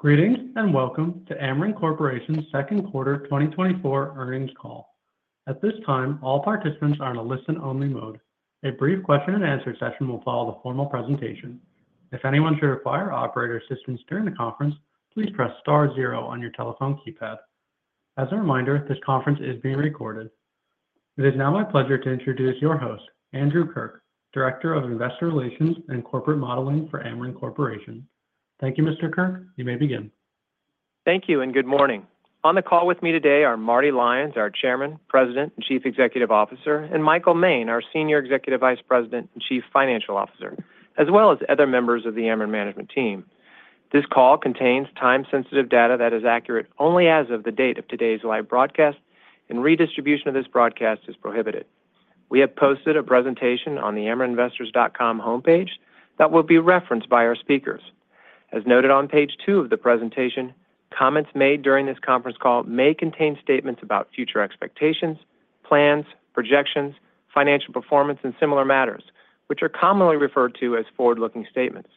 Greetings and welcome to Ameren Corporation's second quarter 2024 earnings call. At this time, all participants are in a listen-only mode. A brief question-and-answer session will follow the formal presentation. If anyone should require operator assistance during the conference, please press Star zero on your telephone keypad. As a reminder, this conference is being recorded. It is now my pleasure to introduce your host, Andrew Kirk, Director of Investor Relations and Corporate Modeling for Ameren Corporation. Thank you, Mr. Kirk. You may begin. Thank you and good morning. On the call with me today are Marty Lyons, our Chairman, President, and Chief Executive Officer, and Michael Moehn, our Senior Executive Vice President and Chief Financial Officer, as well as other members of the Ameren management team. This call contains time-sensitive data that is accurate only as of the date of today's live broadcast, and redistribution of this broadcast is prohibited. We have posted a presentation on the amereninvestors.com homepage that will be referenced by our speakers. As noted on Page 2 of the presentation, comments made during this conference call may contain statements about future expectations, plans, projections, financial performance, and similar matters, which are commonly referred to as forward-looking statements.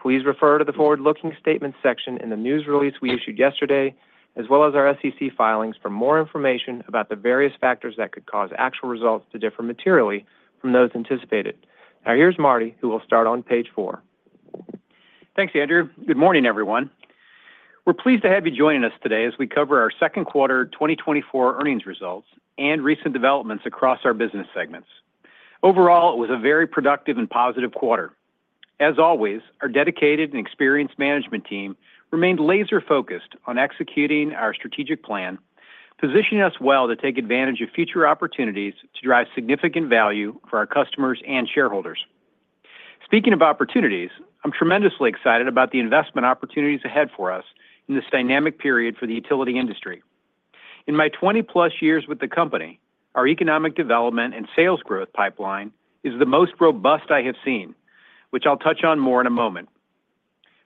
Please refer to the forward-looking statements section in the news release we issued yesterday, as well as our SEC filings, for more information about the various factors that could cause actual results to differ materially from those anticipated. Now, here's Marty, who will start on Page 4. Thanks, Andrew. Good morning, everyone. We're pleased to have you joining us today as we cover our second quarter 2024 earnings results and recent developments across our business segments. Overall, it was a very productive and positive quarter. As always, our dedicated and experienced management team remained laser-focused on executing our strategic plan, positioning us well to take advantage of future opportunities to drive significant value for our customers and shareholders. Speaking of opportunities, I'm tremendously excited about the investment opportunities ahead for us in this dynamic period for the utility industry. In my 20+ years with the company, our economic development and sales growth pipeline is the most robust I have seen, which I'll touch on more in a moment.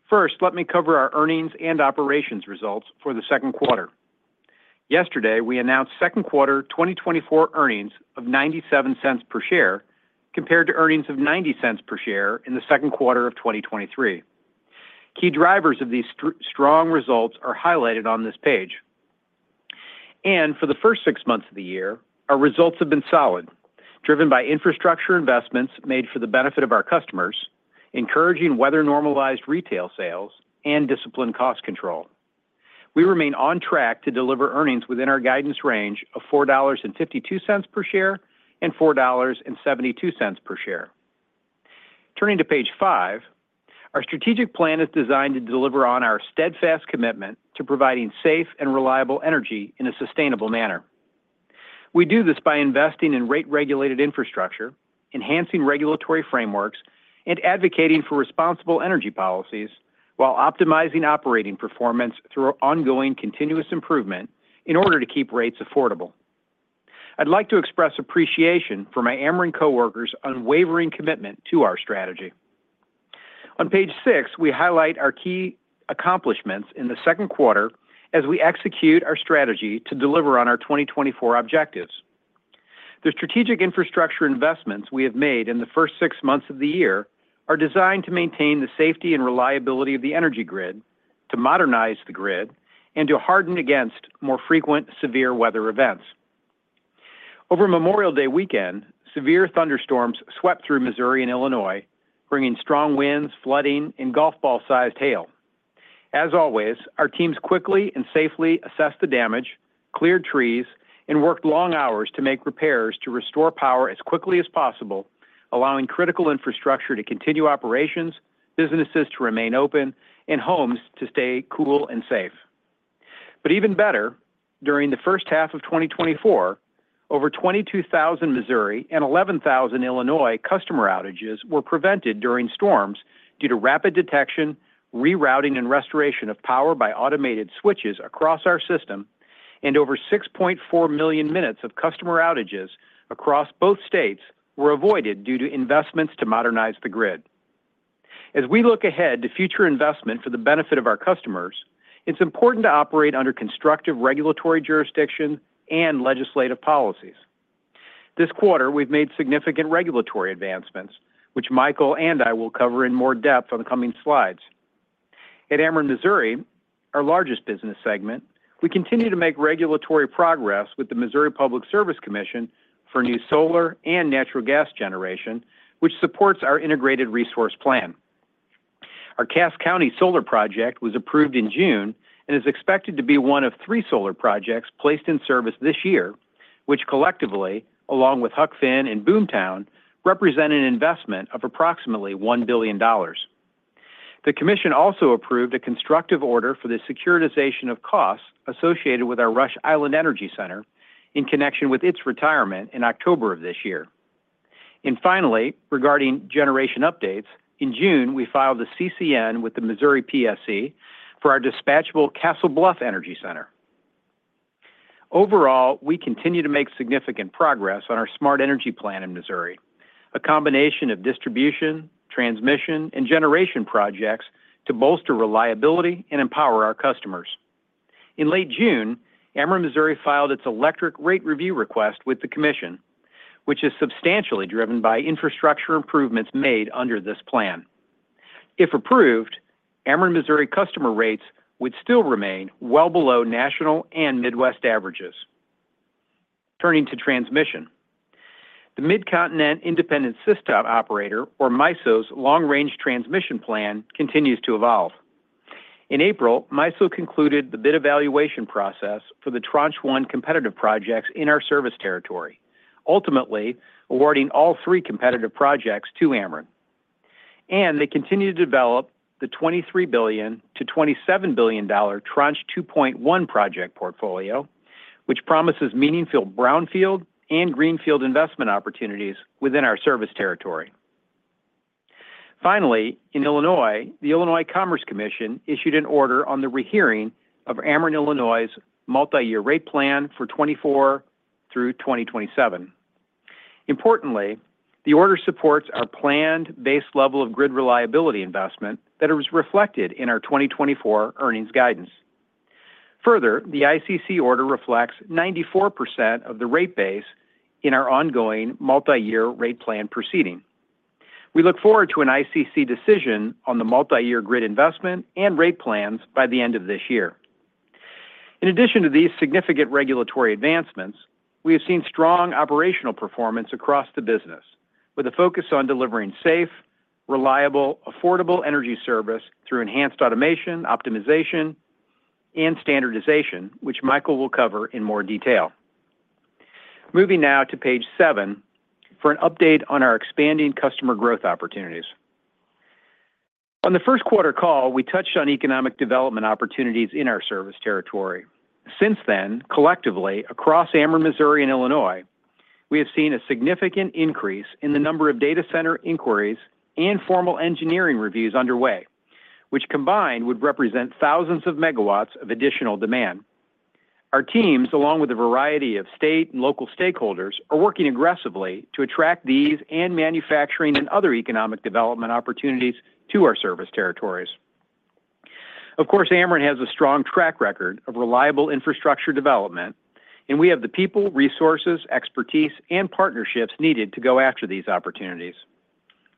First, let me cover our earnings and operations results for the second quarter. Yesterday, we announced second quarter 2024 earnings of $0.97 per share compared to earnings of $0.90 per share in the second quarter of 2023. Key drivers of these strong results are highlighted on this page. For the first six months of the year, our results have been solid, driven by infrastructure investments made for the benefit of our customers, encouraging weather-normalized retail sales, and disciplined cost control. We remain on track to deliver earnings within our guidance range of $4.52-$4.72 per share. Turning to Page 5, our strategic plan is designed to deliver on our steadfast commitment to providing safe and reliable energy in a sustainable manner. We do this by investing in rate-regulated infrastructure, enhancing regulatory frameworks, and advocating for responsible energy policies while optimizing operating performance through ongoing continuous improvement in order to keep rates affordable. I'd like to express appreciation for my Ameren coworkers' unwavering commitment to our strategy. On Page 6, we highlight our key accomplishments in the second quarter as we execute our strategy to deliver on our 2024 objectives. The strategic infrastructure investments we have made in the first six months of the year are designed to maintain the safety and reliability of the energy grid, to modernize the grid, and to harden against more frequent severe weather events. Over Memorial Day weekend, severe thunderstorms swept through Missouri and Illinois, bringing strong winds, flooding, and golf-ball-sized hail. As always, our teams quickly and safely assessed the damage, cleared trees, and worked long hours to make repairs to restore power as quickly as possible, allowing critical infrastructure to continue operations, businesses to remain open, and homes to stay cool and safe. But even better, during the first half of 2024, over 22,000 Missouri and 11,000 Illinois customer outages were prevented during storms due to rapid detection, rerouting, and restoration of power by automated switches across our system, and over 6.4 million minutes of customer outages across both states were avoided due to investments to modernize the grid. As we look ahead to future investment for the benefit of our customers, it's important to operate under constructive regulatory jurisdiction and legislative policies. This quarter, we've made significant regulatory advancements, which Michael and I will cover in more depth on the coming slides. At Ameren Missouri, our largest business segment, we continue to make regulatory progress with the Missouri Public Service Commission for new solar and natural gas generation, which supports our Integrated Resource Plan. Our Cass County solar project was approved in June and is expected to be one of three solar projects placed in service this year, which collectively, along with Huck Finn and Boomtown, represent an investment of approximately $1 billion. The commission also approved a constructive order for the securitization of costs associated with our Rush Island Energy Center in connection with its retirement in October of this year. And finally, regarding generation updates, in June, we filed a CCN with the Missouri PSC for our dispatchable Castle Bluff Energy Center. Overall, we continue to make significant progress on our smart energy plan in Missouri, a combination of distribution, transmission, and generation projects to bolster reliability and empower our customers. In late June, Ameren Missouri filed its electric rate review request with the commission, which is substantially driven by infrastructure improvements made under this plan. If approved, Ameren Missouri customer rates would still remain well below national and Midwest averages. Turning to transmission, the Midcontinent Independent System Operator, or MISO's, long-range transmission plan continues to evolve. In April, MISO concluded the bid evaluation process for the Tranche 1 competitive projects in our service territory, ultimately awarding all three competitive projects to Ameren. They continue to develop the $23 billion-$27 billion Tranche 2.1 project portfolio, which promises meaningful brownfield and greenfield investment opportunities within our service territory. Finally, in Illinois, the Illinois Commerce Commission issued an order on the rehearing of Ameren Illinois' multi-year rate plan for 2024 through 2027. Importantly, the order supports our planned base level of grid reliability investment that is reflected in our 2024 earnings guidance. Further, the ICC order reflects 94% of the rate base in our ongoing multi-year rate plan proceeding. We look forward to an ICC decision on the multi-year grid investment and rate plans by the end of this year. In addition to these significant regulatory advancements, we have seen strong operational performance across the business, with a focus on delivering safe, reliable, affordable energy service through enhanced automation, optimization, and standardization, which Michael will cover in more detail. Moving now to Page 7 for an update on our expanding customer growth opportunities. On the first quarter call, we touched on economic development opportunities in our service territory. Since then, collectively, across Ameren Missouri and Ameren Illinois, we have seen a significant increase in the number of data center inquiries and formal engineering reviews underway, which combined would represent thousands of megawatts of additional demand. Our teams, along with a variety of state and local stakeholders, are working aggressively to attract these and manufacturing and other economic development opportunities to our service territories. Of course, Ameren has a strong track record of reliable infrastructure development, and we have the people, resources, expertise, and partnerships needed to go after these opportunities.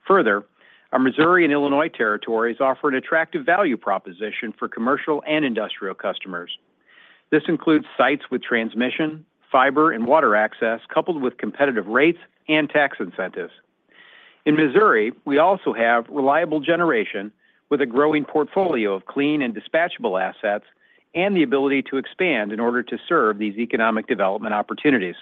Further, our Missouri and Illinois territories offer an attractive value proposition for commercial and industrial customers. This includes sites with transmission, fiber, and water access, coupled with competitive rates and tax incentives. In Missouri, we also have reliable generation with a growing portfolio of clean and dispatchable assets and the ability to expand in order to serve these economic development opportunities.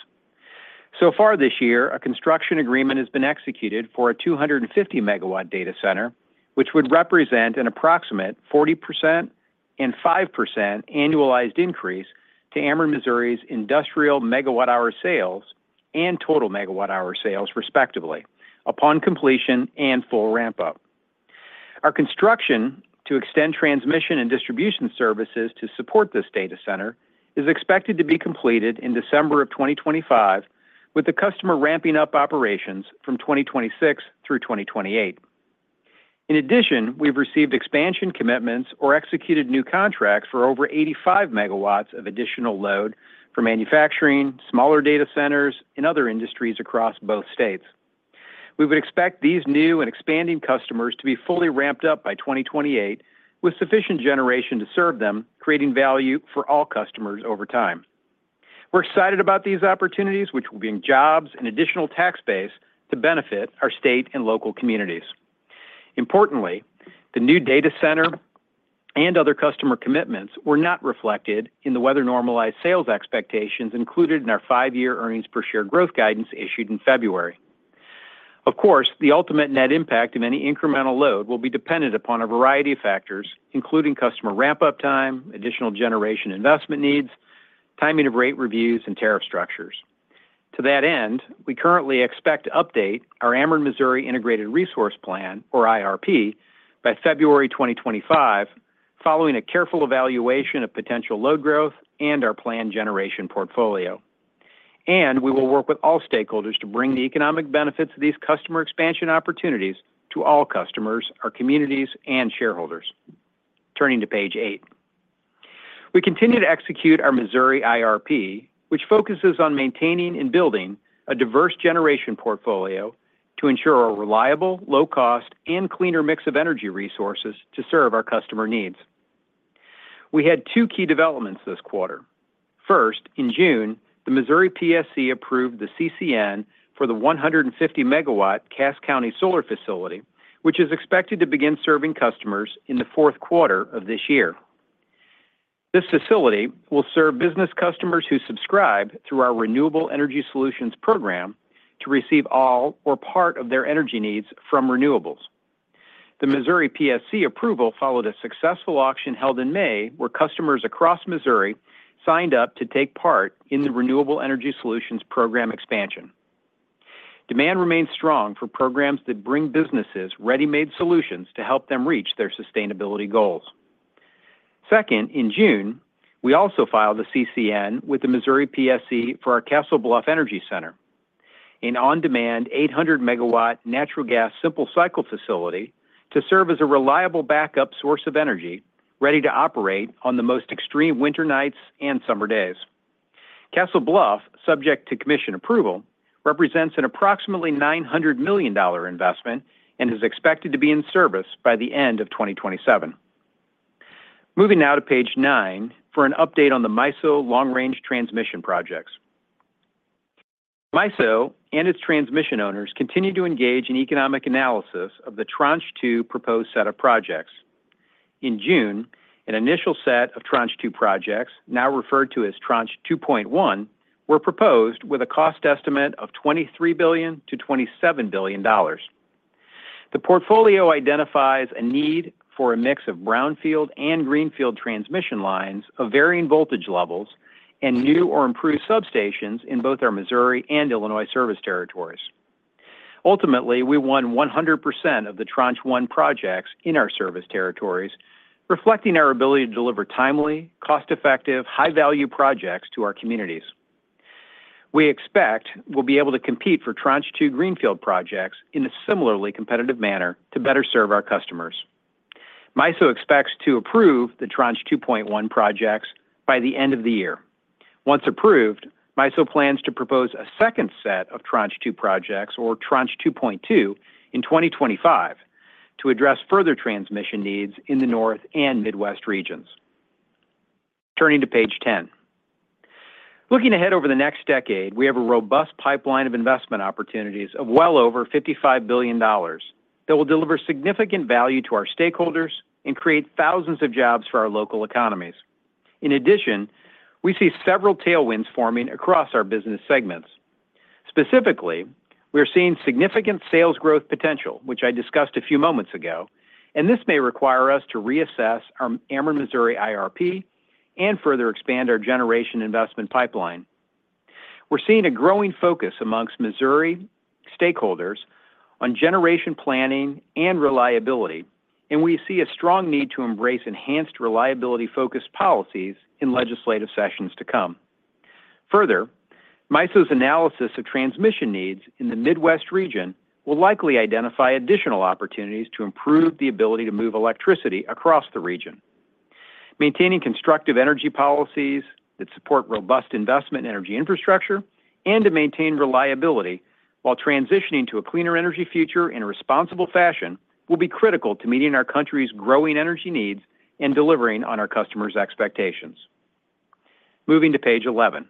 So far this year, a construction agreement has been executed for a 250 MW data center, which would represent an approximate 40% and 5% annualized increase to Ameren Missouri's industrial megawatt hour sales and total megawatt hour sales, respectively, upon completion and full ramp-up. Our construction to extend transmission and distribution services to support this data center is expected to be completed in December of 2025, with the customer ramping up operations from 2026 through 2028. In addition, we've received expansion commitments or executed new contracts for over 85 MW of additional load for manufacturing, smaller data centers, and other industries across both states. We would expect these new and expanding customers to be fully ramped up by 2028, with sufficient generation to serve them, creating value for all customers over time. We're excited about these opportunities, which will bring jobs and additional tax base to benefit our state and local communities. Importantly, the new data center and other customer commitments were not reflected in the weather-normalized sales expectations included in our five-year earnings per share growth guidance issued in February. Of course, the ultimate net impact of any incremental load will be dependent upon a variety of factors, including customer ramp-up time, additional generation investment needs, timing of rate reviews, and tariff structures. To that end, we currently expect to update our Ameren Missouri Integrated Resource Plan, or IRP, by February 2025, following a careful evaluation of potential load growth and our planned generation portfolio. And we will work with all stakeholders to bring the economic benefits of these customer expansion opportunities to all customers, our communities, and shareholders. Turning to Page 8, we continue to execute our Missouri IRP, which focuses on maintaining and building a diverse generation portfolio to ensure a reliable, low-cost, and cleaner mix of energy resources to serve our customer needs. We had 2 key developments this quarter. First, in June, the Missouri PSC approved the CCN for the 150 MW Cass County solar facility, which is expected to begin serving customers in the fourth quarter of this year. This facility will serve business customers who subscribe through our Renewable Energy Solutions program to receive all or part of their energy needs from renewables. The Missouri PSC approval followed a successful auction held in May, where customers across Missouri signed up to take part in the Renewable Energy Solutions program expansion. Demand remains strong for programs that bring businesses ready-made solutions to help them reach their sustainability goals. Second, in June, we also filed the CCN with the Missouri PSC for our Castle Bluff Energy Center, an on-demand 800 MW natural gas simple cycle facility to serve as a reliable backup source of energy, ready to operate on the most extreme winter nights and summer days. Castle Bluff, subject to commission approval, represents an approximately $900 million investment and is expected to be in service by the end of 2027. Moving now to Page 9 for an update on the MISO long-range transmission projects. MISO and its transmission owners continue to engage in economic analysis of the Tranche 2 proposed set of projects. In June, an initial set of Tranche 2 projects, now referred to as Tranche 2.1, were proposed with a cost estimate of $23 billion-$27 billion. The portfolio identifies a need for a mix of Brownfield and Greenfield transmission lines of varying voltage levels and new or improved substations in both our Missouri and Illinois service territories. Ultimately, we won 100% of the Tranche 1 projects in our service territories, reflecting our ability to deliver timely, cost-effective, high-value projects to our communities. We expect we'll be able to compete for Tranche 2 greenfield projects in a similarly competitive manner to better serve our customers. MISO expects to approve the Tranche 2.1 projects by the end of the year. Once approved, MISO plans to propose a second set of Tranche 2 projects, or Tranche 2.2, in 2025 to address further transmission needs in the North and Midwest regions. Turning to Page 10, looking ahead over the next decade, we have a robust pipeline of investment opportunities of well over $55 billion that will deliver significant value to our stakeholders and create thousands of jobs for our local economies. In addition, we see several tailwinds forming across our business segments. Specifically, we're seeing significant sales growth potential, which I discussed a few moments ago, and this may require us to reassess our Ameren Missouri IRP and further expand our generation investment pipeline. We're seeing a growing focus amongst Missouri stakeholders on generation planning and reliability, and we see a strong need to embrace enhanced reliability-focused policies in legislative sessions to come. Further, MISO's analysis of transmission needs in the Midwest region will likely identify additional opportunities to improve the ability to move electricity across the region. Maintaining constructive energy policies that support robust investment energy infrastructure and to maintain reliability while transitioning to a cleaner energy future in a responsible fashion will be critical to meeting our country's growing energy needs and delivering on our customers' expectations. Moving to Page 11,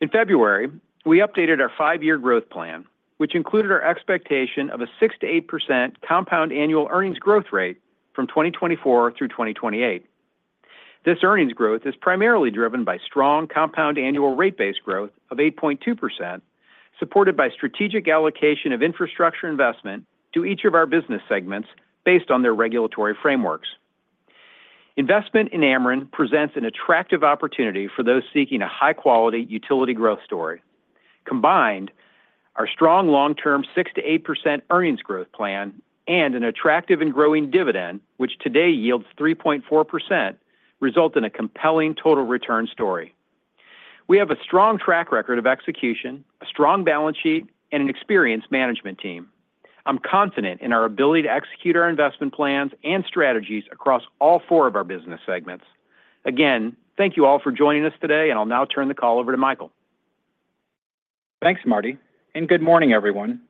in February, we updated our five-year growth plan, which included our expectation of a 6%-8% compound annual earnings growth rate from 2024 through 2028. This earnings growth is primarily driven by strong compound annual rate-based growth of 8.2%, supported by strategic allocation of infrastructure investment to each of our business segments based on their regulatory frameworks. Investment in Ameren presents an attractive opportunity for those seeking a high-quality utility growth story. Combined, our strong long-term 6%-8% earnings growth plan and an attractive and growing dividend, which today yields 3.4%, result in a compelling total return story. We have a strong track record of execution, a strong balance sheet, and an experienced management team. I'm confident in our ability to execute our investment plans and strategies across all four of our business segments. Again, thank you all for joining us today, and I'll now turn the call over to Michael. Thanks, Marty. Good morning, everyone.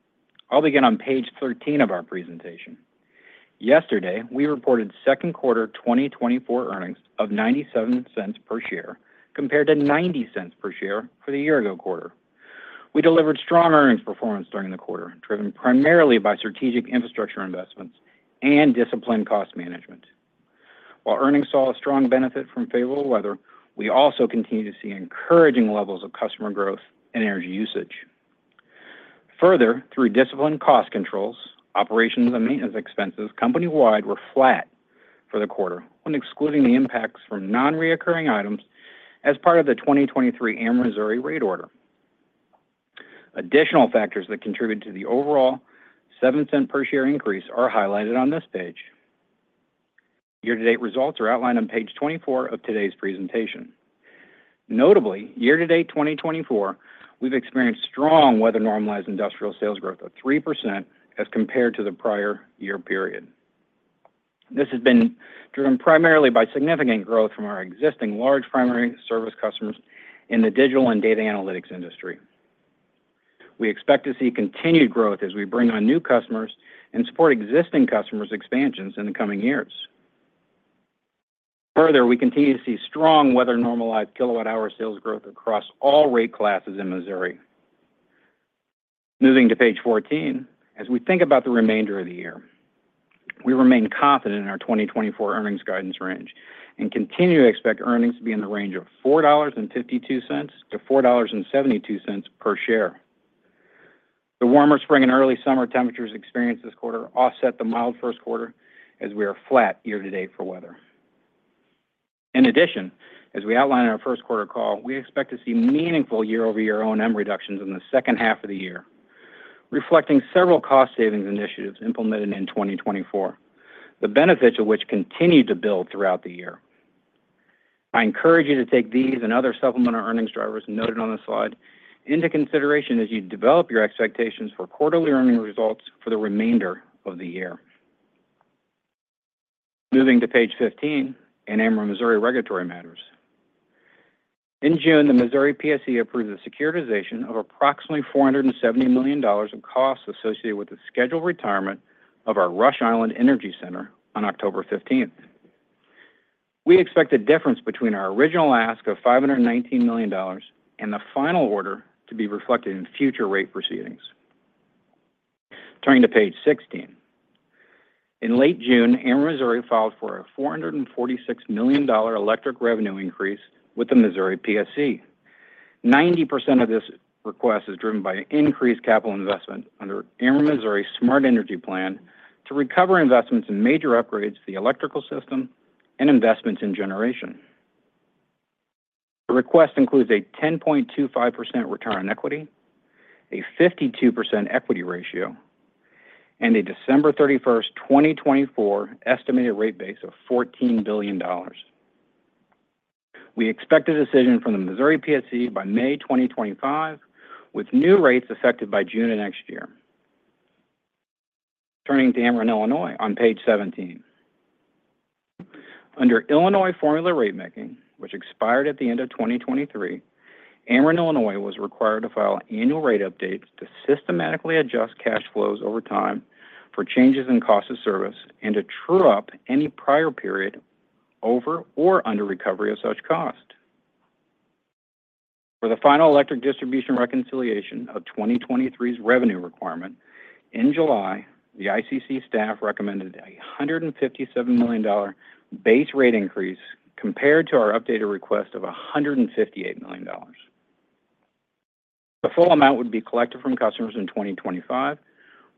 I'll begin on Page 13 of our presentation. Yesterday, we reported second quarter 2024 earnings of $0.97 per share, compared to $0.90 per share for the year-ago quarter. We delivered strong earnings performance during the quarter, driven primarily by strategic infrastructure investments and disciplined cost management. While earnings saw a strong benefit from favorable weather, we also continue to see encouraging levels of customer growth and energy usage. Further, through disciplined cost controls, operations and maintenance expenses company-wide were flat for the quarter, excluding the impacts from non-recurring items as part of the 2023 Ameren Missouri rate order. Additional factors that contribute to the overall $0.07 per share increase are highlighted on this page. Year-to-date results are outlined on Page 24 of today's presentation. Notably, year-to-date 2024, we've experienced strong weather-normalized industrial sales growth of 3% as compared to the prior year period. This has been driven primarily by significant growth from our existing large primary service customers in the digital and data analytics industry. We expect to see continued growth as we bring on new customers and support existing customers' expansions in the coming years. Further, we continue to see strong weather-normalized kilowatt-hour sales growth across all rate classes in Missouri. Moving to Page 14, as we think about the remainder of the year, we remain confident in our 2024 earnings guidance range and continue to expect earnings to be in the range of $4.52-$4.72 per share. The warmer spring and early summer temperatures experienced this quarter offset the mild first quarter as we are flat year-to-date for weather. In addition, as we outlined in our first quarter call, we expect to see meaningful year-over-year O&M reductions in the second half of the year, reflecting several cost-savings initiatives implemented in 2024, the benefits of which continue to build throughout the year. I encourage you to take these and other supplemental earnings drivers noted on the slide into consideration as you develop your expectations for quarterly earnings results for the remainder of the year. Moving to Page 15, in Ameren Missouri regulatory matters. In June, the Missouri PSC approved the securitization of approximately $470 million of costs associated with the scheduled retirement of our Rush Island Energy Center on October 15th. We expect a difference between our original ask of $519 million and the final order to be reflected in future rate proceedings. Turning to Page 16, in late June, Ameren Missouri filed for a $446 million electric revenue increase with the Missouri PSC. 90% of this request is driven by increased capital investment under Ameren Missouri's Smart Energy Plan to recover investments in major upgrades to the electrical system and investments in generation. The request includes a 10.25% return on equity, a 52% equity ratio, and a December 31st, 2024 estimated rate base of $14 billion. We expect a decision from the Missouri PSC by May 2025, with new rates affected by June of next year. Turning to Ameren Illinois on Page 17, under Illinois Formula Rate-Making, which expired at the end of 2023, Ameren Illinois was required to file annual rate updates to systematically adjust cash flows over time for changes in cost of service and to true up any prior period over or under recovery of such cost. For the final electric distribution reconciliation of 2023's revenue requirement, in July, the ICC staff recommended a $157 million base rate increase compared to our updated request of $158 million. The full amount would be collected from customers in 2025,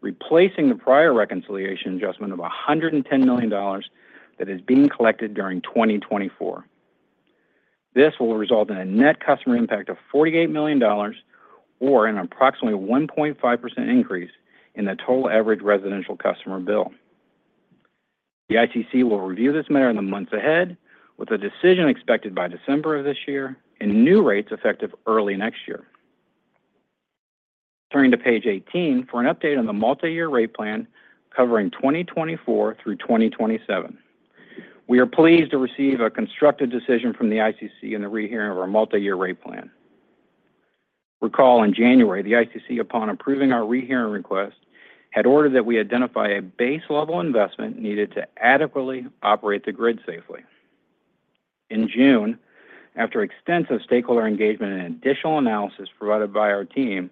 replacing the prior reconciliation adjustment of $110 million that is being collected during 2024. This will result in a net customer impact of $48 million or an approximately 1.5% increase in the total average residential customer bill. The ICC will review this matter in the months ahead with a decision expected by December of this year and new rates effective early next year. Turning to Page 18 for an update on the multi-year rate plan covering 2024 through 2027. We are pleased to receive a constructive decision from the ICC in the rehearing of our multi-year rate plan. Recall in January, the ICC, upon approving our rehearing request, had ordered that we identify a base level investment needed to adequately operate the grid safely. In June, after extensive stakeholder engagement and additional analysis provided by our team,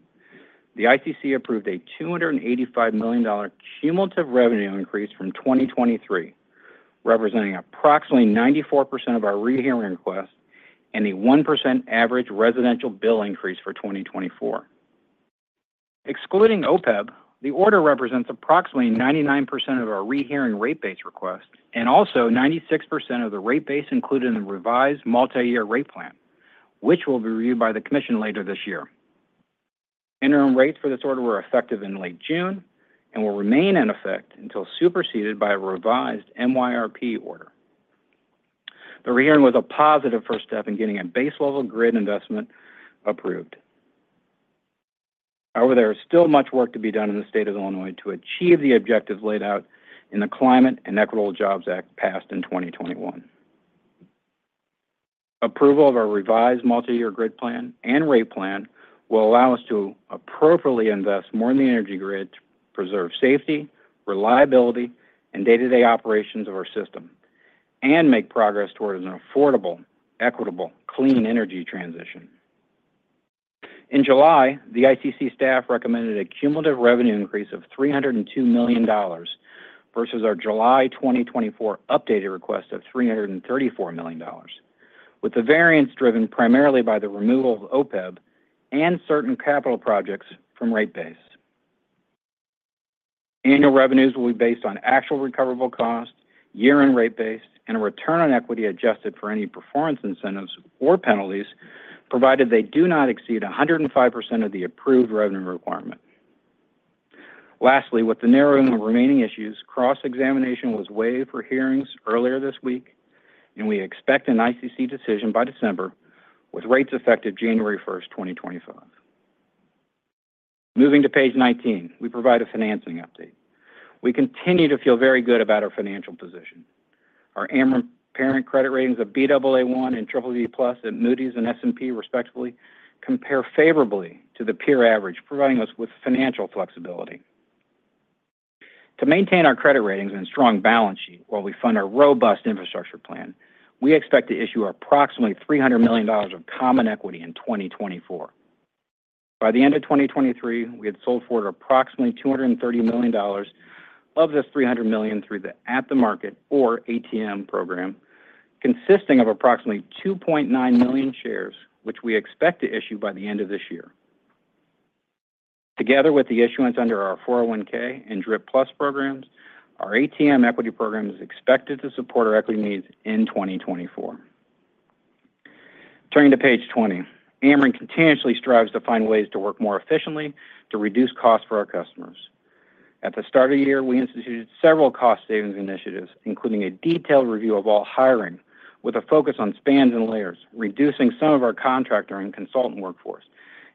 the ICC approved a $285 million cumulative revenue increase from 2023, representing approximately 94% of our rehearing request and a 1% average residential bill increase for 2024. Excluding OPEB, the order represents approximately 99% of our rehearing rate base request and also 96% of the rate base included in the revised multi-year rate plan, which will be reviewed by the commission later this year. Interim rates for this order were effective in late June and will remain in effect until superseded by a revised MYRP order. The rehearing was a positive first step in getting a base level grid investment approved. However, there is still much work to be done in the state of Illinois to achieve the objectives laid out in the Climate and Equitable Jobs Act passed in 2021. Approval of our revised multi-year grid plan and rate plan will allow us to appropriately invest more in the energy grid to preserve safety, reliability, and day-to-day operations of our system and make progress towards an affordable, equitable, clean energy transition. In July, the ICC staff recommended a cumulative revenue increase of $302 million versus our July 2024 updated request of $334 million, with the variance driven primarily by the removal of OPEB and certain capital projects from rate base. Annual revenues will be based on actual recoverable cost, year-end rate base, and a return on equity adjusted for any performance incentives or penalties, provided they do not exceed 105% of the approved revenue requirement. Lastly, with the narrowing of remaining issues, cross-examination was waived for hearings earlier this week, and we expect an ICC decision by December, with rates effective January 1st, 2025. Moving to Page 19, we provide a financing update. We continue to feel very good about our financial position. Our Ameren parent credit ratings of Baa1 and BBB+ at Moody's and S&P respectively compare favorably to the peer average, providing us with financial flexibility. To maintain our credit ratings and strong balance sheet while we fund our robust infrastructure plan, we expect to issue approximately $300 million of common equity in 2024. By the end of 2023, we had sold for approximately $230 million of this $300 million through the At-the-Market or ATM program, consisting of approximately 2.9 million shares, which we expect to issue by the end of this year. Together with the issuance under our 401(k) and DRIPPlus programs, our ATM equity program is expected to support our equity needs in 2024. Turning to Page 20, Ameren continuously strives to find ways to work more efficiently to reduce costs for our customers. At the start of the year, we instituted several cost-savings initiatives, including a detailed review of all hiring with a focus on spans and layers, reducing some of our contractor and consultant workforce,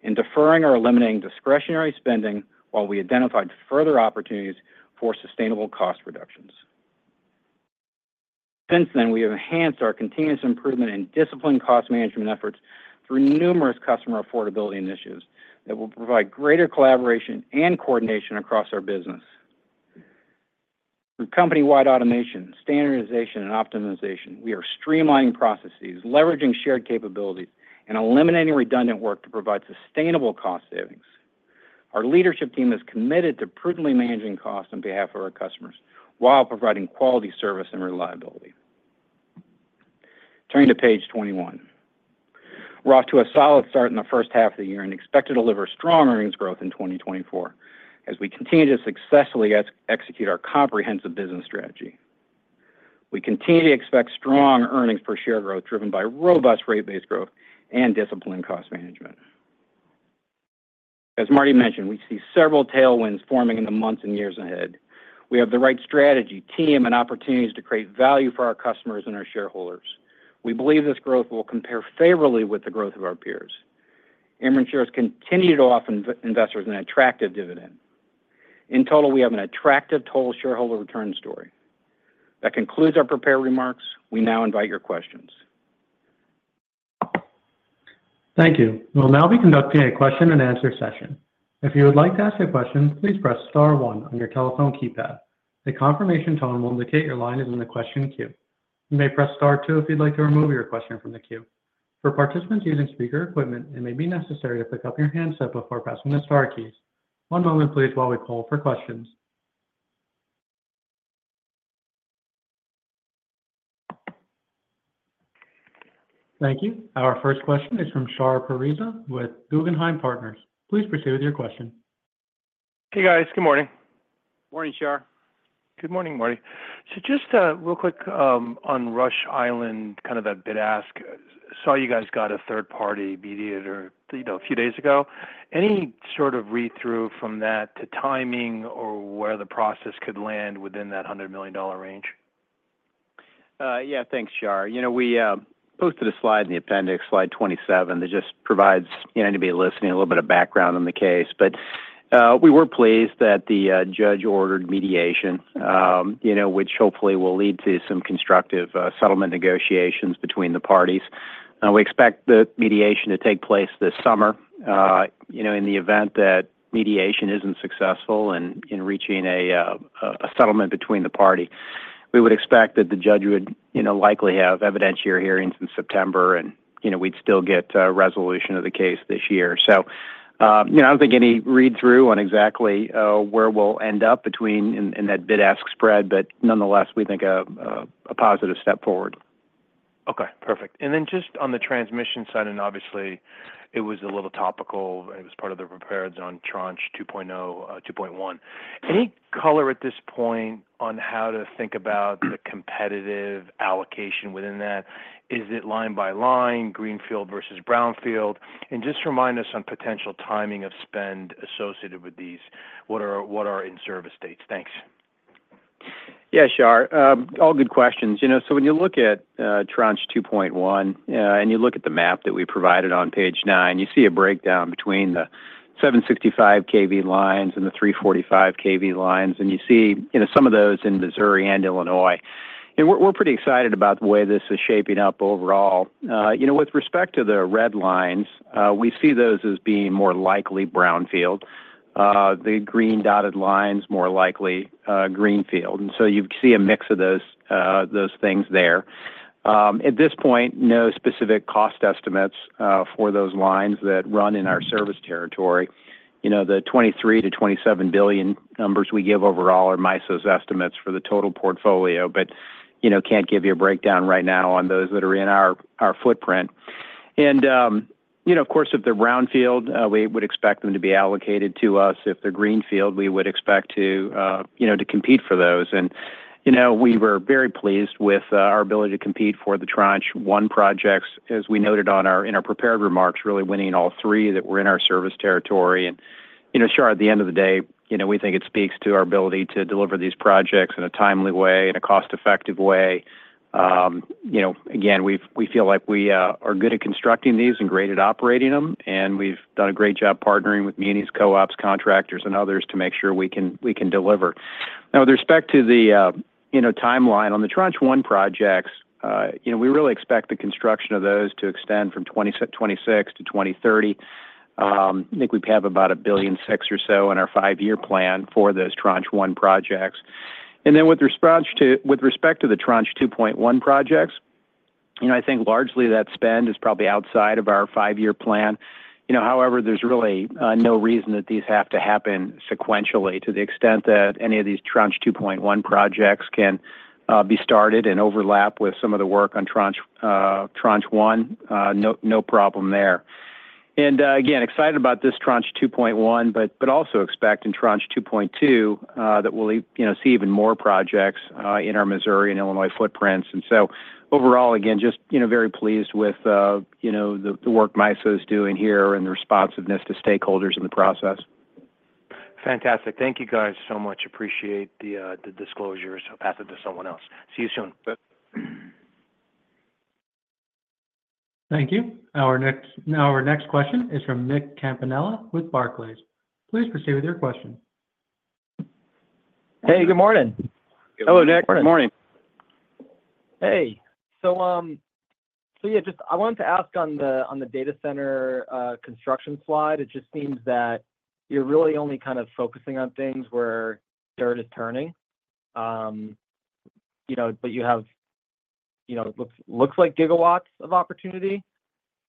and deferring or eliminating discretionary spending while we identified further opportunities for sustainable cost reductions. Since then, we have enhanced our continuous improvement and disciplined cost management efforts through numerous customer affordability initiatives that will provide greater collaboration and coordination across our business. Through company-wide automation, standardization, and optimization, we are streamlining processes, leveraging shared capabilities, and eliminating redundant work to provide sustainable cost savings. Our leadership team is committed to prudently managing costs on behalf of our customers while providing quality service and reliability. Turning to Page 21, we're off to a solid start in the first half of the year and expect to deliver strong earnings growth in 2024 as we continue to successfully execute our comprehensive business strategy. We continue to expect strong earnings per share growth driven by robust rate-based growth and disciplined cost management. As Marty mentioned, we see several tailwinds forming in the months and years ahead. We have the right strategy, team, and opportunities to create value for our customers and our shareholders. We believe this growth will compare favorably with the growth of our peers. Ameren shares continue to offer investors an attractive dividend. In total, we have an attractive total shareholder return story. That concludes our prepared remarks. We now invite your questions. Thank you. We'll now be conducting a question-and-answer session. If you would like to ask a question, please press Star one on your telephone keypad. The confirmation tone will indicate your line is in the question queue. You may press Star two if you'd like to remove your question from the queue. For participants using speaker equipment, it may be necessary to pick up your handset before pressing the Star keys. One moment, please, while we pull for questions. Thank you. Our first question is from Shahriar Pourreza with Guggenheim Partners. Please proceed with your question. Hey, guys. Good morning. Morning, Shahriar. Good morning, Marty. So just real quick on Rush Island, kind of that bid ask. Saw you guys got a third-party mediator a few days ago. Any sort of read-through from that to timing or where the process could land within that $100 million range? Yeah, thanks, Shahriar. We posted a slide in the appendix, Slide 27. It just provides anybody listening a little bit of background on the case. But we were pleased that the judge ordered mediation, which hopefully will lead to some constructive settlement negotiations between the parties. We expect the mediation to take place this summer. In the event that mediation isn't successful in reaching a settlement between the parties, we would expect that the judge would likely have evidentiary hearings in September, and we'd still get resolution of the case this year. So I don't think any read-through on exactly where we'll end up between in that bid ask spread, but nonetheless, we think a positive step forward. Okay. Perfect. And then just on the transmission side, and obviously, it was a little topical, and it was part of the prepared on Tranche 2.0, 2.1. Any color at this point on how to think about the competitive allocation within that? Is it line by line, Greenfield versus Brownfield? And just remind us on potential timing of spend associated with these. What are in-service dates? Thanks. Yeah, Shar. All good questions. So when you look at Tranche 2.1 and you look at the map that we provided on page 9, you see a breakdown between the 765 kV lines and the 345 kV lines, and you see some of those in Missouri and Illinois. And we're pretty excited about the way this is shaping up overall. With respect to the red lines, we see those as being more likely Brownfield. The green dotted lines, more likely Greenfield. And so you see a mix of those things there. At this point, no specific cost estimates for those lines that run in our service territory. The $23 billion-$27 billion numbers we give overall are MISO's estimates for the total portfolio, but can't give you a breakdown right now on those that are in our footprint. Of course, if they're Brownfield, we would expect them to be allocated to us. If they're Greenfield, we would expect to compete for those. We were very pleased with our ability to compete for the Tranche 1 projects, as we noted in our prepared remarks, really winning all three that were in our service territory. Sure, at the end of the day, we think it speaks to our ability to deliver these projects in a timely way, in a cost-effective way. Again, we feel like we are good at constructing these and great at operating them, and we've done a great job partnering with MISO's co-ops, contractors, and others to make sure we can deliver. Now, with respect to the timeline on the Tranche 1 projects, we really expect the construction of those to extend from 2026 to 2030. I think we have about $1.6 billion or so in our five-year plan for those Tranche 1 projects. And then with respect to the Tranche 2.1 projects, I think largely that spend is probably outside of our five-year plan. However, there's really no reason that these have to happen sequentially to the extent that any of these Tranche 2.1 projects can be started and overlap with some of the work on Tranche 1, no problem there. And again, excited about this Tranche 2.1, but also expect in Tranche 2.2 that we'll see even more projects in our Missouri and Illinois footprints. And so overall, again, just very pleased with the work MISO is doing here and the responsiveness to stakeholders in the process. Fantastic. Thank you, guys, so mu ch. Appreciate the disclosures. Pass it to someone else. See you soon. Thank you. Our next question is from Nick Campanella with Barclays. Please proceed with your question. Hey, good morning. Hello, Nick. Good morning. Hey. So yeah, just I wanted to ask on the data center construction slide. It just seems that you're really only kind of focusing on things where dirt is turning, but you have looks like gigawatts of opportunity.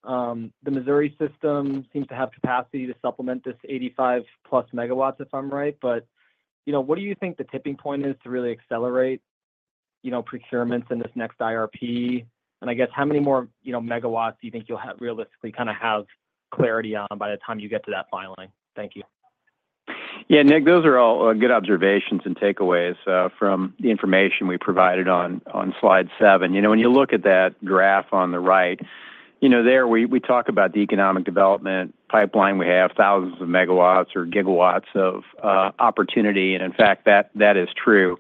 The Missouri system seems to have capacity to supplement this 85+ MW, if I'm right. But what do you think the tipping point is to really accelerate procurements in this next IRP? And I guess how many more megawatts do you think you'll realistically kind of have clarity on by the time you get to that filing? Thank you. Yeah, Nick, those are all good observations and takeaways from the information we provided on Slide 7. When you look at that graph on the right, there we talk about the economic development pipeline. We have thousands of megawatts or gigawatts of opportunity. In fact, that is true.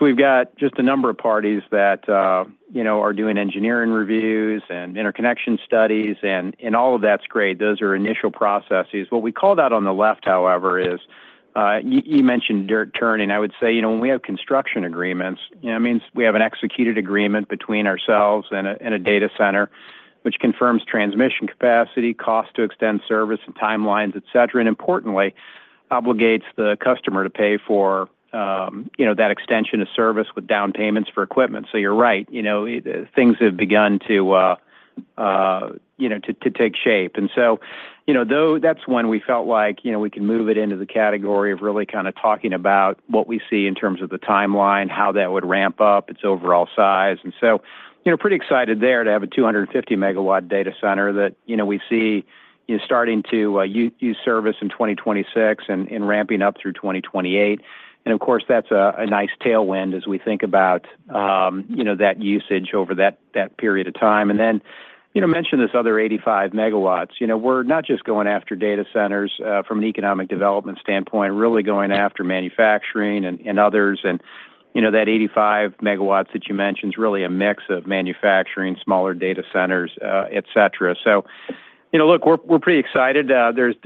We've got just a number of parties that are doing engineering reviews and interconnection studies, and all of that's great. Those are initial processes. What we call that on the left, however, is you mentioned dirt turning. I would say when we have construction agreements, it means we have an executed agreement between ourselves and a data center, which confirms transmission capacity, cost to extend service, and timelines, etc., and importantly, obligates the customer to pay for that extension of service with down payments for equipment. You're right. Things have begun to take shape. That's when we felt like we can move it into the category of really kind of talking about what we see in terms of the timeline, how that would ramp up its overall size. So pretty excited there to have a 250 MW data center that we see starting to use service in 2026 and ramping up through 2028. And of course, that's a nice tailwind as we think about that usage over that period of time. And then mention this other 85 MW. We're not just going after data centers from an economic development standpoint, really going after manufacturing and others. And that 85 MW that you mentioned is really a mix of manufacturing, smaller data centers, etc. So look, we're pretty excited. There's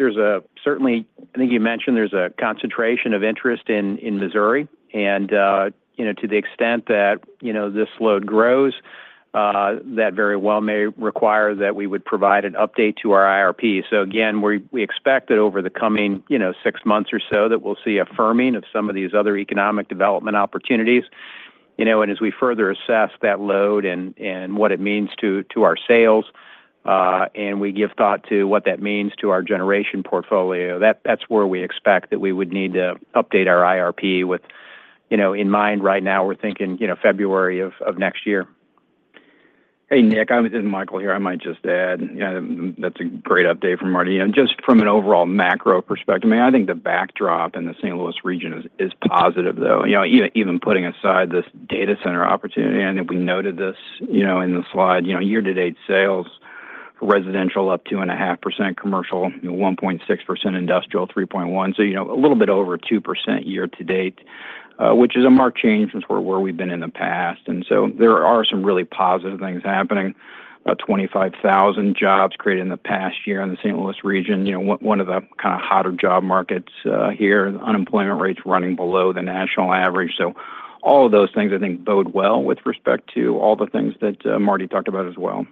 certainly, I think you mentioned, there's a concentration of interest in Missouri. To the extent that this load grows, that very well may require that we would provide an update to our IRP. So again, we expect that over the coming six months or so that we'll see a firming of some of these other economic development opportunities. And as we further assess that load and what it means to our sales, and we give thought to what that means to our generation portfolio, that's where we expect that we would need to update our IRP with in mind. Right now, we're thinking February of next year. Hey, Nick, I'm Michael here. I might just add that's a great update from Marty. Just from an overall macro perspective, I mean, I think the backdrop in the St. Louis region is positive, though. Even putting aside this data center opportunity, I think we noted this in the slide. Year-to-date sales, residential up 2.5%, commercial 1.6%, industrial 3.1%. So a little bit over 2% year-to-date, which is a marked change from where we've been in the past. And so there are some really positive things happening. About 25,000 jobs created in the past year in the St. Louis region. One of the kind of hotter job markets here. Unemployment rates running below the national average. So all of those things, I think, bode well with respect to all the things that Marty talked about as well.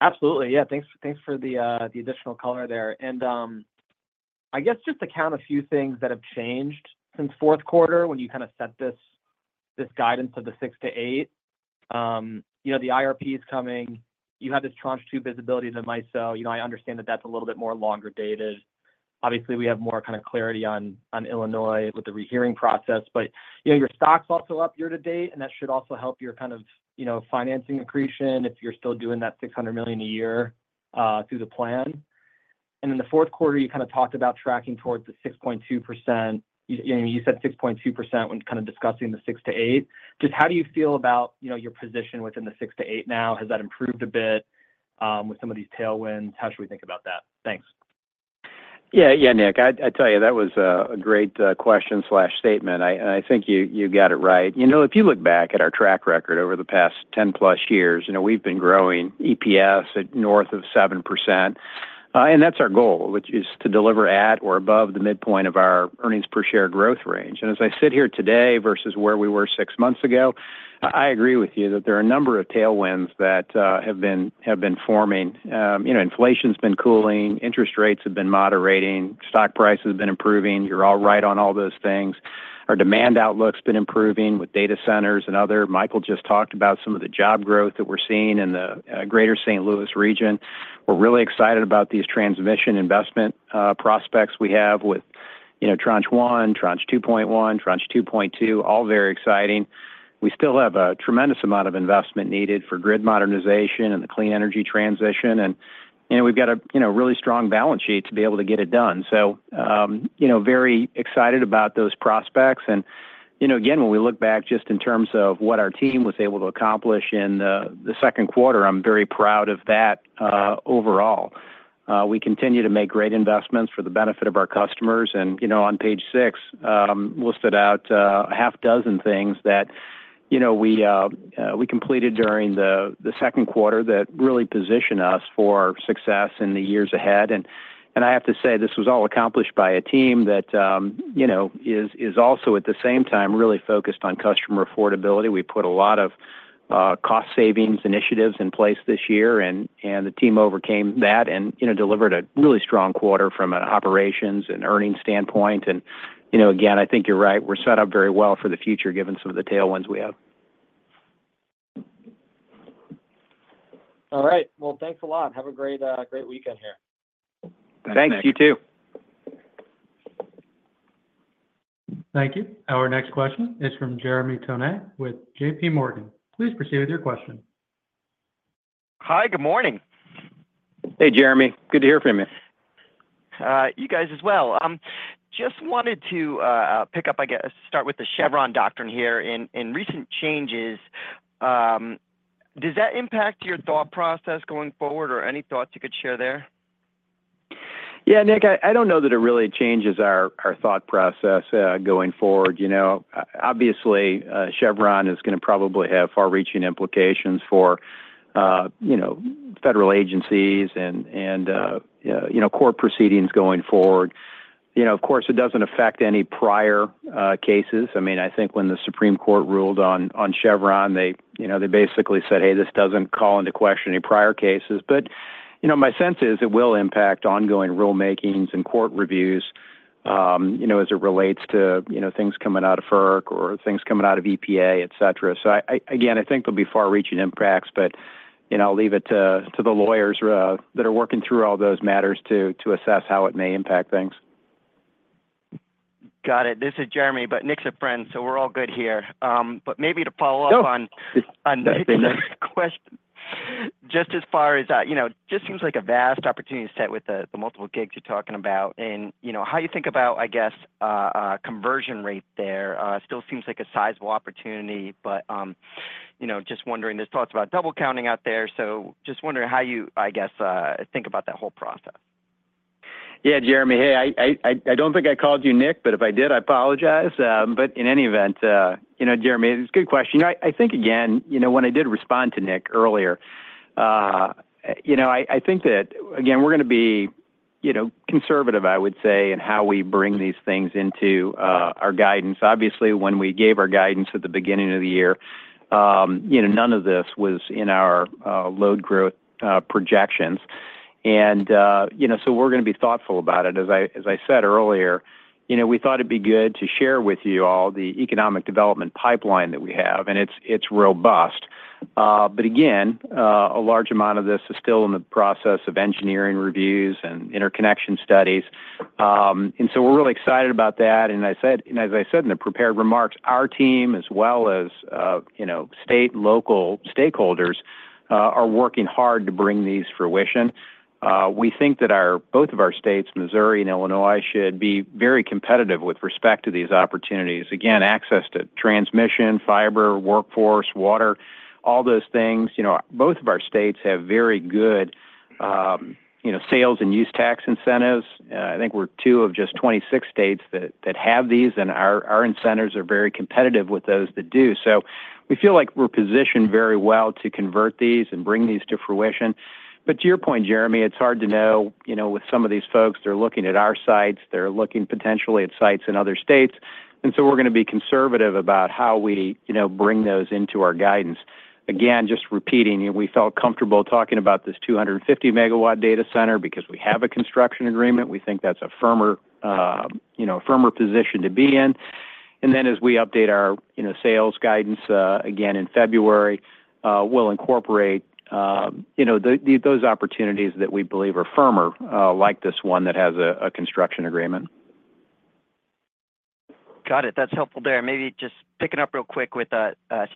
Absolutely. Yeah. Thanks for the additional color there. And I guess just to count a few things that have changed since fourth quarter when you kind of set this guidance of the 6%-8%. The IRP is coming. You have this Tranche 2 visibility to MISO. I understand that that's a little bit more longer dated. Obviously, we have more kind of clarity on Illinois with the rehearing process. But your stock's also up year-to-date, and that should also help your kind of financing accretion if you're still doing that $600 million a year through the plan. And in the fourth quarter, you kind of talked about tracking towards the 6.2%. You said 6.2% when kind of discussing the 6%-8%. Just how do you feel about your position within the 6%-8% now? Has that improved a bit with some of these tailwinds? How should we think about that? Thanks. Yeah. Yeah, Nick, I tell you, that was a great question or statement. And I think you got it right. If you look back at our track record over the past 10+ years, we've been growing EPS at north of 7%. That's our goal, which is to deliver at or above the midpoint of our earnings per share growth range. As I sit here today versus where we were six months ago, I agree with you that there are a number of tailwinds that have been forming. Inflation's been cooling. Interest rates have been moderating. Stock prices have been improving. You're all right on all those things. Our demand outlook's been improving with data centers and other. Michael just talked about some of the job growth that we're seeing in the greater St. Louis region. We're really excited about these transmission investment prospects we have with Tranche 1, Tranche 2.1, Tranche 2.2, all very exciting. We still have a tremendous amount of investment needed for grid modernization and the clean energy transition. We've got a really strong balance sheet to be able to get it done. So very excited about those prospects. And again, when we look back just in terms of what our team was able to accomplish in the second quarter, I'm very proud of that overall. We continue to make great investments for the benefit of our customers. And on Page 6, we'll set out a half dozen things that we completed during the second quarter that really position us for success in the years ahead. And I have to say this was all accomplished by a team that is also, at the same time, really focused on customer affordability. We put a lot of cost savings initiatives in place this year, and the team overcame that and delivered a really strong quarter from an operations and earnings standpoint. And again, I think you're right. We're set up very well for the future given some of the tailwinds we have. All right. Well, thanks a lot. Have a great weekend here. Thanks. You too. Thank you. Our next question is from Jeremy Tonet with JPMorgan. Please proceed with your question. Hi. Good morning. Hey, Jeremy. Good to hear from you. You guys as well. Just wanted to pick up, I guess, start with the Chevron doctrine here and recent changes. Does that impact your thought process going forward or any thoughts you could share there? Yeah, Nick, I don't know that it really changes our thought process going forward. Obviously, Chevron is going to probably have far-reaching implications for federal agencies and court proceedings going forward. Of course, it doesn't affect any prior cases. I mean, I think when the Supreme Court ruled on Chevron, they basically said, "Hey, this doesn't call into question any prior cases." But my sense is it will impact ongoing rulemakings and court reviews as it relates to things coming out of FERC or things coming out of EPA, etc. So again, I think there'll be far-reaching impacts, but I'll leave it to the lawyers that are working through all those matters to assess how it may impact things. Got it. This is Jeremy, but Nick's a friend, so we're all good here. But maybe to follow up on the next question, just as far as it just seems like a vast opportunity set with the multiple gigs you're talking about. And how you think about, I guess, conversion rate there still seems like a sizable opportunity, but just wondering, there's thoughts about double counting out there. So just wondering how you, I guess, think about that whole process? Yeah, Jeremy. Hey, I don't think I called you Nick, but if I did, I apologize. But in any event, Jeremy, it's a good question. I think, again, when I did respond to Nick earlier, I think that, again, we're going to be conservative, I would say, in how we bring these things into our guidance. Obviously, when we gave our guidance at the beginning of the year, none of this was in our load growth projections. And so we're going to be thoughtful about it. As I said earlier, we thought it'd be good to share with you all the economic development pipeline that we have, and it's robust. But again, a large amount of this is still in the process of engineering reviews and interconnection studies. And so we're really excited about that. As I said in the prepared remarks, our team, as well as state and local stakeholders, are working hard to bring these to fruition. We think that both of our states, Missouri and Illinois, should be very competitive with respect to these opportunities. Again, access to transmission, fiber, workforce, water, all those things. Both of our states have very good sales and use tax incentives. I think we're 2 of just 26 states that have these, and our incentives are very competitive with those that do. So we feel like we're positioned very well to convert these and bring these to fruition. But to your point, Jeremy, it's hard to know with some of these folks. They're looking at our sites. They're looking potentially at sites in other states. And so we're going to be conservative about how we bring those into our guidance. Again, just repeating, we felt comfortable talking about this 250 MW data center because we have a construction agreement. We think that's a firmer position to be in. And then as we update our sales guidance again in February, we'll incorporate those opportunities that we believe are firmer, like this one that has a construction agreement. Got it. That's helpful there. Maybe just picking up real quick with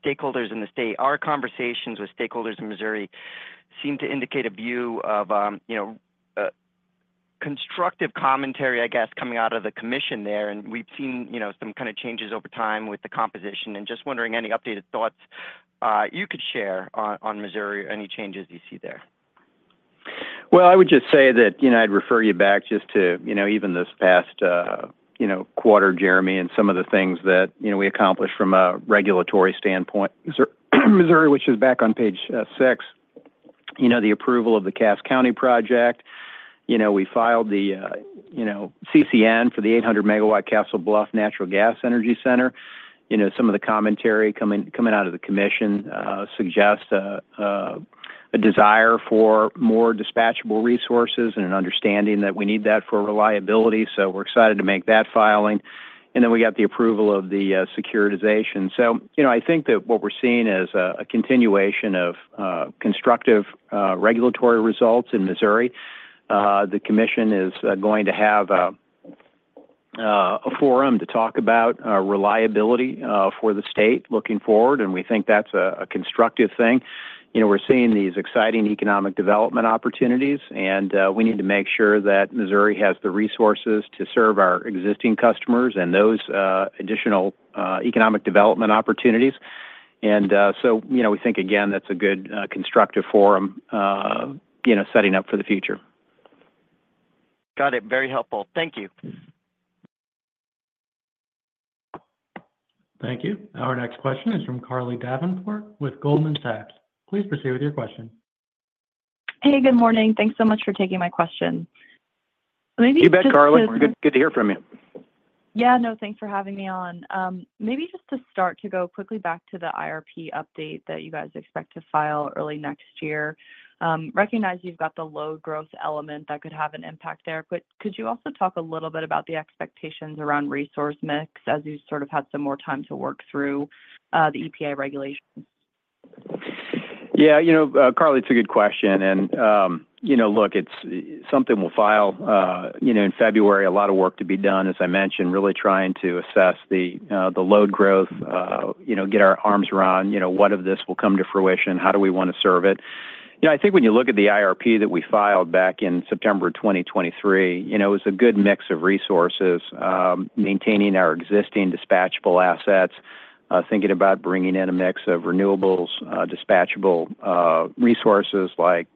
stakeholders in the state. Our conversations with stakeholders in Missouri seem to indicate a view of constructive commentary, I guess, coming out of the commission there. And we've seen some kind of changes over time with the composition. And just wondering any updated thoughts you could share on Missouri, any changes you see there. Well, I would just say that I'd refer you back just to even this past quarter, Jeremy, and some of the things that we accomplished from a regulatory standpoint. Missouri, which is back on Page 6, the approval of the Cass County project. We filed the CCN for the 800 MW Castle Bluff Natural Gas Energy Center. Some of the commentary coming out of the commission suggests a desire for more dispatchable resources and an understanding that we need that for reliability. So we're excited to make that filing. Then we got the approval of the securitization. So I think that what we're seeing is a continuation of constructive regulatory results in Missouri. The commission is going to have a forum to talk about reliability for the state looking forward. And we think that's a constructive thing. We're seeing these exciting economic development opportunities, and we need to make sure that Missouri has the resources to serve our existing customers and those additional economic development opportunities. And so we think, again, that's a good constructive forum setting up for the future. Got it. Very helpful. Thank you. Thank you. Our next question is from Carly Davenport with Goldman Sachs. Please proceed with your question. Hey, good morning. Thanks so much for taking my question. You bet, Carly. Good to hear from you. Yeah. No, thanks for having me on. Maybe just to start, to go quickly back to the IRP update that you guys expect to file early next year, recognize you've got the load growth element that could have an impact there. But could you also talk a little bit about the expectations around resource mix as you sort of had some more time to work through the EPA regulations? Yeah. Carly, it's a good question. And look, it's something we'll file in February. A lot of work to be done, as I mentioned, really trying to assess the load growth, get our arms around what of this will come to fruition, how do we want to serve it. I think when you look at the IRP that we filed back in September 2023, it was a good mix of resources, maintaining our existing dispatchable assets, thinking about bringing in a mix of renewables, dispatchable resources like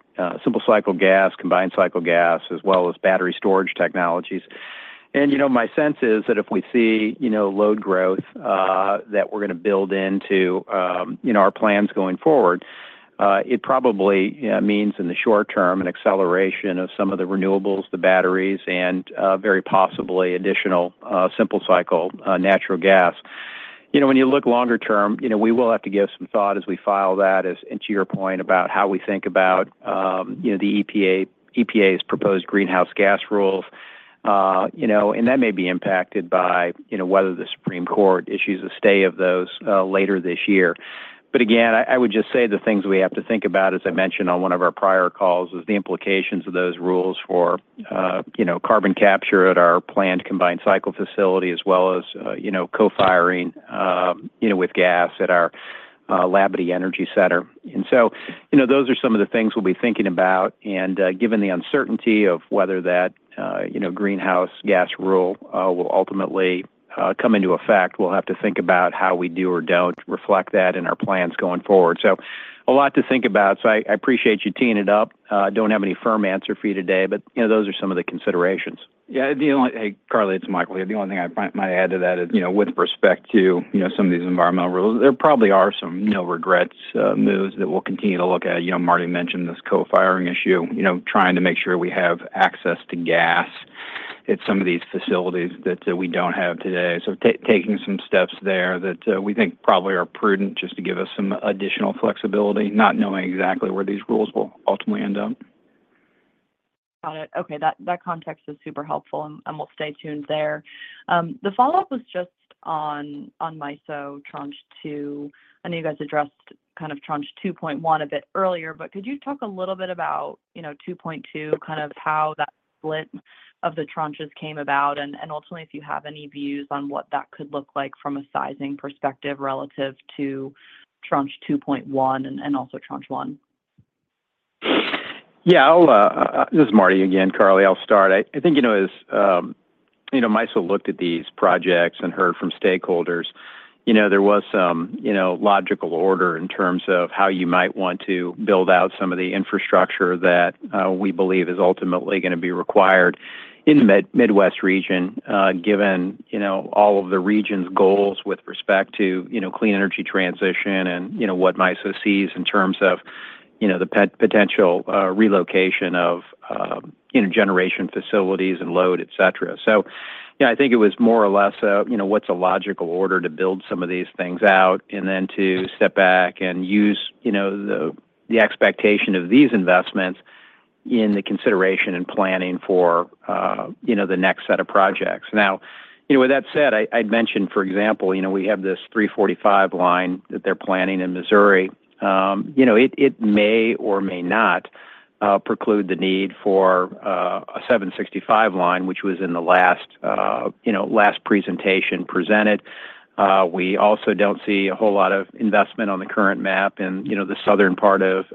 simple cycle gas, combined cycle gas, as well as battery storage technologies. And my sense is that if we see load growth that we're going to build into our plans going forward, it probably means in the short-term an acceleration of some of the renewables, the batteries, and very possibly additional simple cycle natural gas. When you look longer-term, we will have to give some thought as we file that, and to your point about how we think about the EPA's proposed greenhouse gas rules. That may be impacted by whether the Supreme Court issues a stay of those later this year. Again, I would just say the things we have to think about, as I mentioned on one of our prior calls, is the implications of those rules for carbon capture at our planned combined cycle facility, as well as co-firing with gas at our Labadie Energy Center. So those are some of the things we'll be thinking about. Given the uncertainty of whether that greenhouse gas rule will ultimately come into effect, we'll have to think about how we do or don't reflect that in our plans going forward. A lot to think about. So I appreciate you teeing it up. I don't have any firm answer for you today, but those are some of the considerations. Yeah. Hey, Carly, it's Michael here. The only thing I might add to that is with respect to some of these environmental rules, there probably are some no-regrets moves that we'll continue to look at. Marty mentioned this co-firing issue, trying to make sure we have access to gas at some of these facilities that we don't have today. So taking some steps there that we think probably are prudent just to give us some additional flexibility, not knowing exactly where these rules will ultimately end up. Got it. Okay. That context is super helpful, and we'll stay tuned there. The follow-up was just on MISO Tranche 2. I know you guys addressed kind of Tranche 2.1 a bit earlier, but could you talk a little bit about 2.2, kind of how that split of the tranches came about, and ultimately, if you have any views on what that could look like from a sizing perspective relative to Tranche 2.1 and also Tranche 1? Yeah. This is Marty again, Carly. I'll start. I think as MISO looked at these projects and heard from stakeholders, there was some logical order in terms of how you might want to build out some of the infrastructure that we believe is ultimately going to be required in the Midwest region, given all of the region's goals with respect to clean energy transition and what MISO sees in terms of the potential relocation of interconnection facilities and load, etc. So yeah, I think it was more or less what's a logical order to build some of these things out and then to step back and use the expectation of these investments in the consideration and planning for the next set of projects. Now, with that said, I'd mentioned, for example, we have this 345 line that they're planning in Missouri. It may or may not preclude the need for a 765 line, which was in the last presentation presented. We also don't see a whole lot of investment on the current map in the southern part of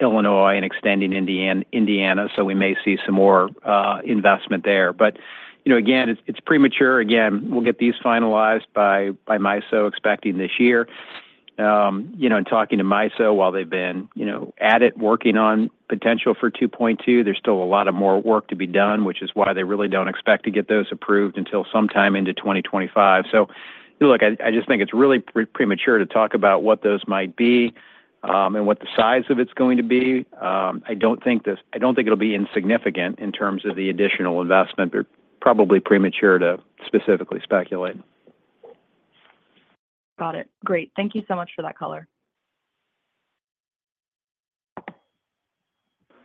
Illinois and extending into Indiana, so we may see some more investment there. But again, it's premature. Again, we'll get these finalized by MISO, expecting this year. Talking to MISO, while they've been at it working on potential for 2.2, there's still a lot of more work to be done, which is why they really don't expect to get those approved until sometime into 2025. So look, I just think it's really premature to talk about what those might be and what the size of it's going to be. I don't think it'll be insignificant in terms of the additional investment, but probably premature to specifically speculate. Got it. Great. Thank you so much for that color.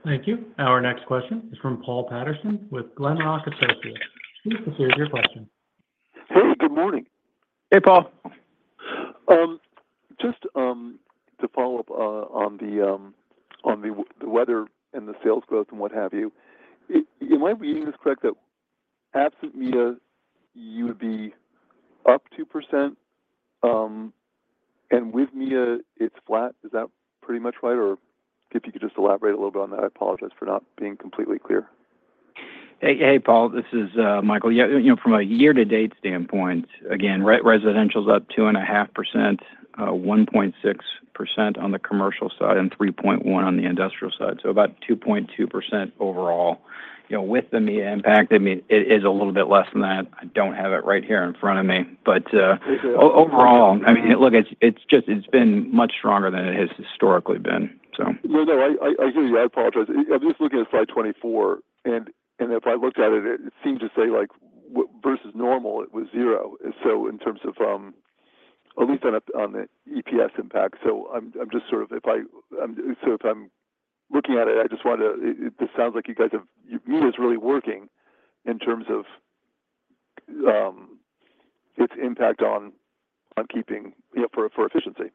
Thank you. Our next question is from Paul Patterson with Glenrock Associates. Please proceed with your question. Hey, good morning. Hey, Paul. Just to follow up on the weather and the sales growth and what have you, am I reading this correct that absent MEEIA, you would be up 2%, and with MEEIA, it's flat? Is that pretty much right? Or if you could just elaborate a little bit on that. I apologize for not being completely clear. Hey, Paul. This is Michael. Yeah. From a year-to-date standpoint, again, residential's up 2.5%, 1.6% on the commercial side, and 3.1% on the industrial side. So about 2.2% overall. With the MEEIA impact, I mean, it is a little bit less than that. I don't have it right here in front of me. But overall, I mean, look, it's been much stronger than it has historically been, so. No, no. I hear you. I apologize. I'm just looking at Slide 24, and if I looked at it, it seemed to say versus normal, it was zero. So in terms of at least on the EPS impact. So if I'm looking at it, I just wanted to this sounds like you guys have MEEIA really working in terms of its impact on keeping for efficiency.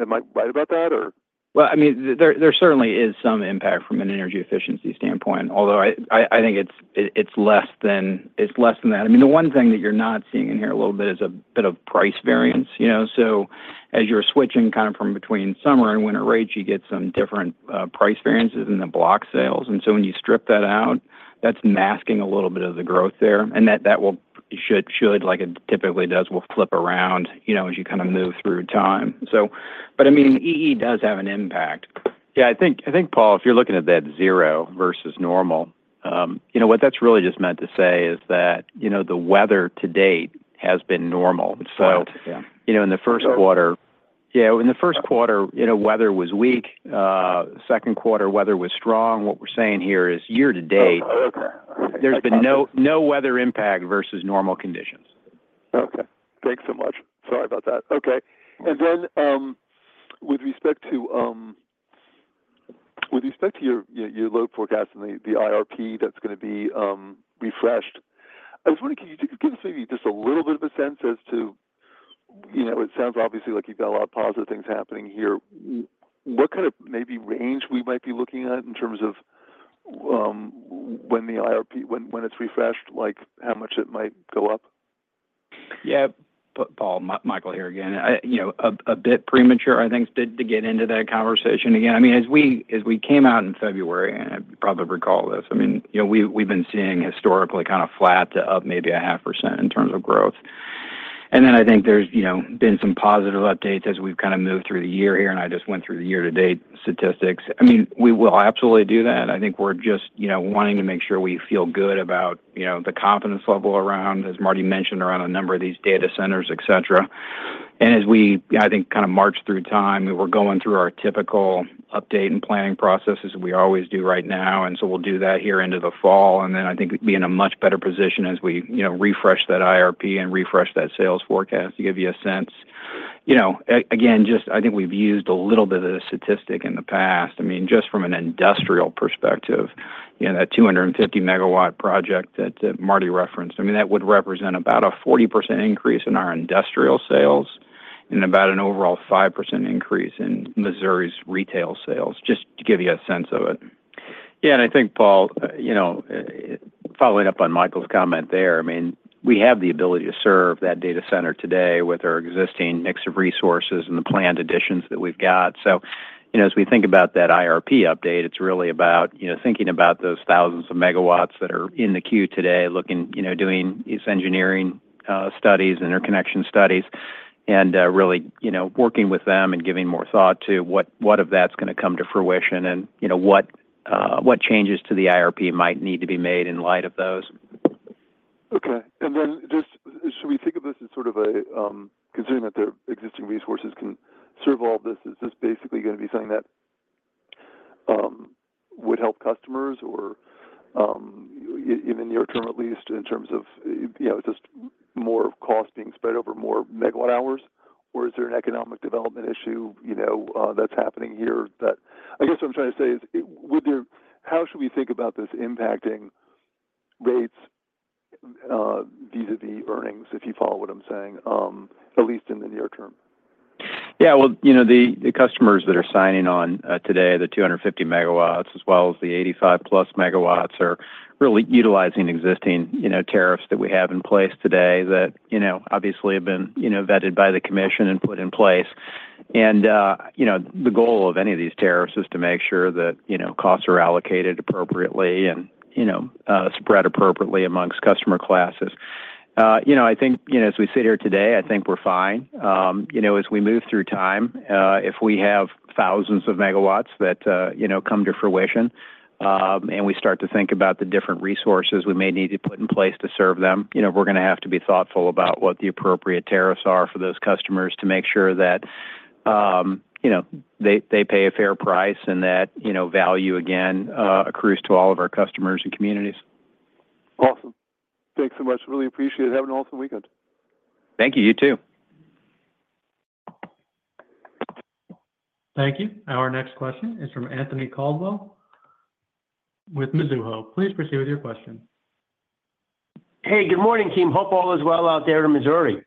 Am I right about that, or? Well, I mean, there certainly is some impact from an energy efficiency standpoint, although I think it's less than that. I mean, the one thing that you're not seeing in here a little bit is a bit of price variance. So as you're switching kind of from between summer and winter rates, you get some different price variances in the block sales. And so when you strip that out, that's masking a little bit of the growth there. And that should, like it typically does, will flip around as you kind of move through time. But I mean, EE does have an impact. Yeah. I think, Paul, if you're looking at that zero versus normal, what that's really just meant to say is that the weather to date has been normal. So in the first quarter, yeah, in the first quarter, weather was weak. Second quarter, weather was strong. What we're saying here is year-to-date, there's been no weather impact versus normal conditions. Okay. Thanks so much. Sorry about that. Okay. And then with respect to your load forecast and the IRP that's going to be refreshed, I was wondering, could you give us maybe just a little bit of a sense as to it sounds obviously like you've got a lot of positive things happening here. What kind of maybe range we might be looking at in terms of when the IRP, when it's refreshed, how much it might go up? Yeah. Paul, Michael here again. A bit premature, I think, to get into that conversation again. I mean, as we came out in February, and you probably recall this, I mean, we've been seeing historically kind of flat to up maybe 0.5% in terms of growth. And then I think there's been some positive updates as we've kind of moved through the year here, and I just went through the year-to-date statistics. I mean, we will absolutely do that. I think we're just wanting to make sure we feel good about the confidence level around, as Marty mentioned, around a number of these data centers, etc. And as we, I think, kind of march through time, we're going through our typical update and planning processes we always do right now. And so we'll do that here into the fall. And then I think we'd be in a much better position as we refresh that IRP and refresh that sales forecast to give you a sense. Again, just I think we've used a little bit of the statistic in the past. I mean, just from an industrial perspective, that 250-megawatt project that Marty referenced, I mean, that would represent about a 40% increase in our industrial sales and about an overall 5% increase in Missouri's retail sales, just to give you a sense of it. Yeah. And I think, Paul, following up on Michael's comment there, I mean, we have the ability to serve that data center today with our existing mix of resources and the planned additions that we've got. So as we think about that IRP update, it's really about thinking about those thousands of megawatts that are in the queue today, doing these engineering studies, interconnection studies, and really working with them and giving more thought to what of that's going to come to fruition and what changes to the IRP might need to be made in light of those. Okay. And then just should we think of this as sort of a considering that their existing resources can serve all of this, is this basically going to be something that would help customers or even in the near term at least in terms of just more cost being spread over more megawatt hours? Or is there an economic development issue that's happening here that I guess what I'm trying to say is how should we think about this impacting rates vis-à-vis earnings, if you follow what I'm saying, at least in the near-term? Yeah. Well, the customers that are signing on today, the 250 MW as well as the 85+ MW, are really utilizing existing tariffs that we have in place today that obviously have been vetted by the commission and put in place. And the goal of any of these tariffs is to make sure that costs are allocated appropriately and spread appropriately amongst customer classes. I think as we sit here today, I think we're fine. As we move through time, if we have thousands of megawatts that come to fruition and we start to think about the different resources we may need to put in place to serve them, we're going to have to be thoughtful about what the appropriate tariffs are for those customers to make sure that they pay a fair price and that value, again, accrues to all of our customers and communities. Awesome. Thanks so much. Really appreciate it. Have an awesome weekend. Thank you. You too. Thank you. Our next question is from Anthony Crowdell with Mizuho. Please proceed with your question. Hey, good morning, team. Hope all is well out there in Missouri.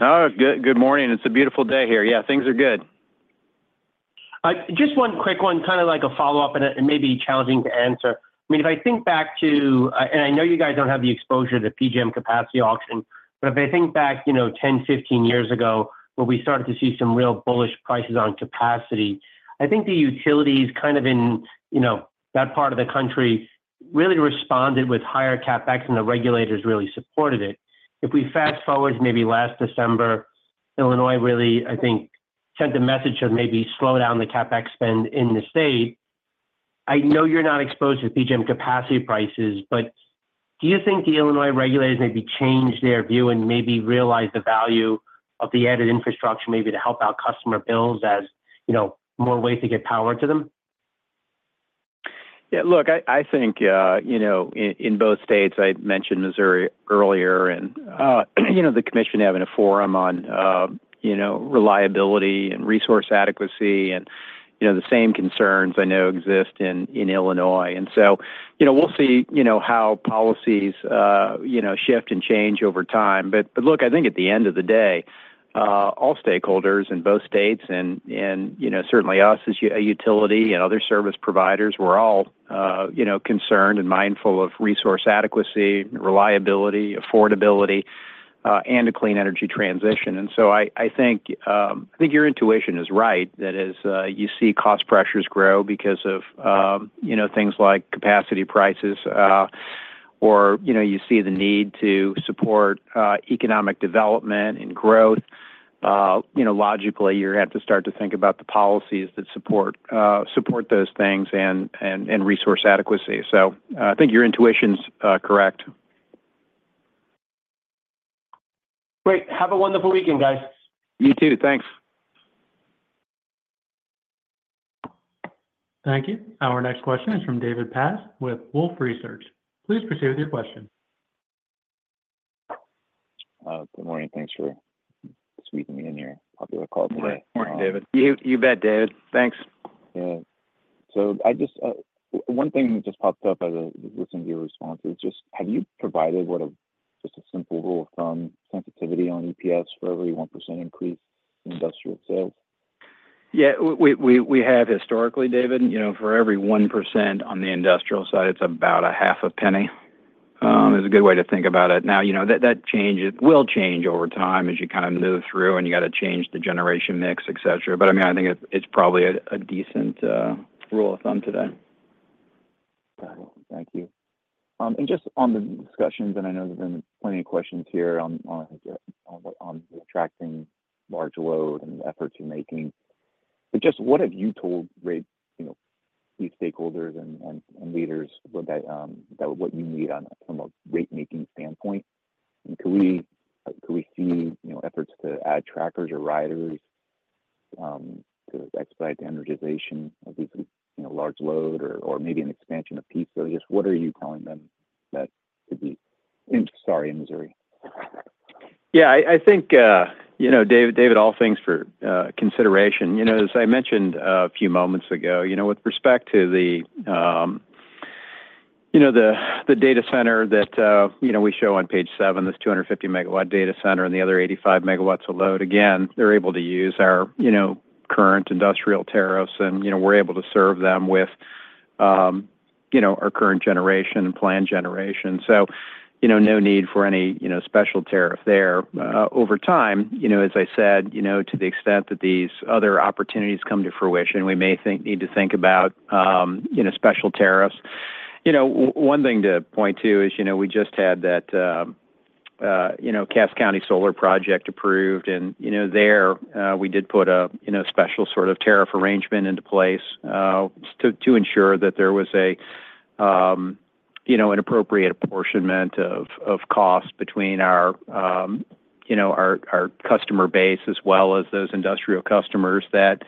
Oh, good morning. It's a beautiful day here. Yeah, things are good. Just one quick one, kind of like a follow-up and maybe challenging to answer. I mean, if I think back to and I know you guys don't have the exposure to the PJM capacity auction, but if I think back 10, 15 years ago when we started to see some real bullish prices on capacity, I think the utilities kind of in that part of the country really responded with higher CapEx, and the regulators really supported it. If we fast forward to maybe last December, Illinois really, I think, sent a message to maybe slow down the CapEx spend in the state. I know you're not exposed to PJM capacity prices, but do you think the Illinois regulators maybe changed their view and maybe realized the value of the added infrastructure maybe to help out customer bills as more ways to get power to them? Yeah. Look, I think in both states, I mentioned Missouri earlier, and the commission having a forum on reliability and resource adequacy and the same concerns I know exist in Illinois. And so we'll see how policies shift and change over time. But look, I think at the end of the day, all stakeholders in both states and certainly us as a utility and other service providers, we're all concerned and mindful of resource adequacy, reliability, affordability, and a clean energy transition. And so I think your intuition is right that as you see cost pressures grow because of things like capacity prices or you see the need to support economic development and growth, logically, you're going to have to start to think about the policies that support those things and resource adequacy. So I think your intuition's correct. Great. Have a wonderful weekend, guys. You too. Thanks. Thank you. Our next question is from David Paz with Wolfe Research. Please proceed with your question. Good morning. Thanks for sweeping me in your popular call today. Morning, David. You bet, David. Thanks. Yeah. So one thing that just popped up as I was listening to your response is just, have you provided just a simple rule of thumb sensitivity on EPS for every 1% increase in industrial sales? Yeah. We have historically, David, for every 1% on the industrial side, it's about $0.005. It's a good way to think about it. Now, that will change over time as you kind of move through, and you got to change the generation mix, etc. But I mean, I think it's probably a decent rule of thumb today. Got it. Thank you. Just on the discussions, and I know there have been plenty of questions here on attracting large load and efforts you're making, but just what have you told these stakeholders and leaders about what you need from a rate-making standpoint? And could we see efforts to add trackers or riders to expedite the energization of these large load or maybe an expansion of PISA? Just what are you telling them that could be, sorry, in Missouri? Yeah. I think, David, all things for consideration. As I mentioned a few moments ago, with respect to the data center that we show on page 7, this 250 MW data center and the other 85 MW of load, again, they're able to use our current industrial tariffs, and we're able to serve them with our current generation and planned generation. So no need for any special tariff there. Over time, as I said, to the extent that these other opportunities come to fruition, we may need to think about special tariffs. One thing to point to is we just had that Cass County solar project approved, and there we did put a special sort of tariff arrangement into place to ensure that there was an appropriate apportionment of cost between our customer base as well as those industrial customers that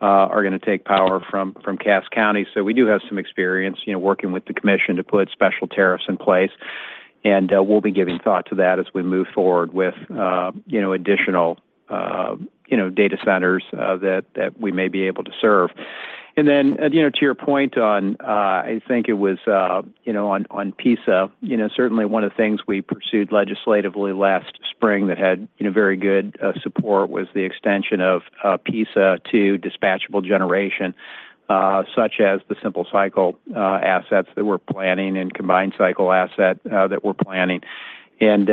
are going to take power from Cass County. So we do have some experience working with the commission to put special tariffs in place. And we'll be giving thought to that as we move forward with additional data centers that we may be able to serve. Then to your point on, I think it was on PISA, certainly one of the things we pursued legislatively last spring that had very good support was the extension of PISA to dispatchable generation, such as the simple cycle assets that we're planning and combined cycle asset that we're planning. And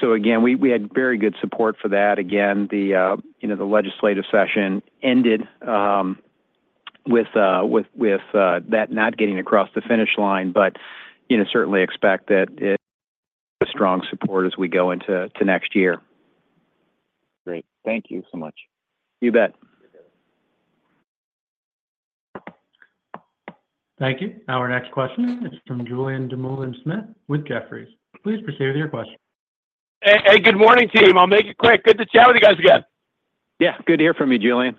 so again, we had very good support for that. Again, the legislative session ended with that not getting across the finish line, but certainly expect that strong support as we go into next year. Great. Thank you so much. You bet. Thank you. Our next question is from Julian Dumoulin-Smith with Jefferies. Please proceed with your question. Hey, good morning, team. I'll make it quick. Good to chat with you guys again. Yeah. Good to hear from you, Julian.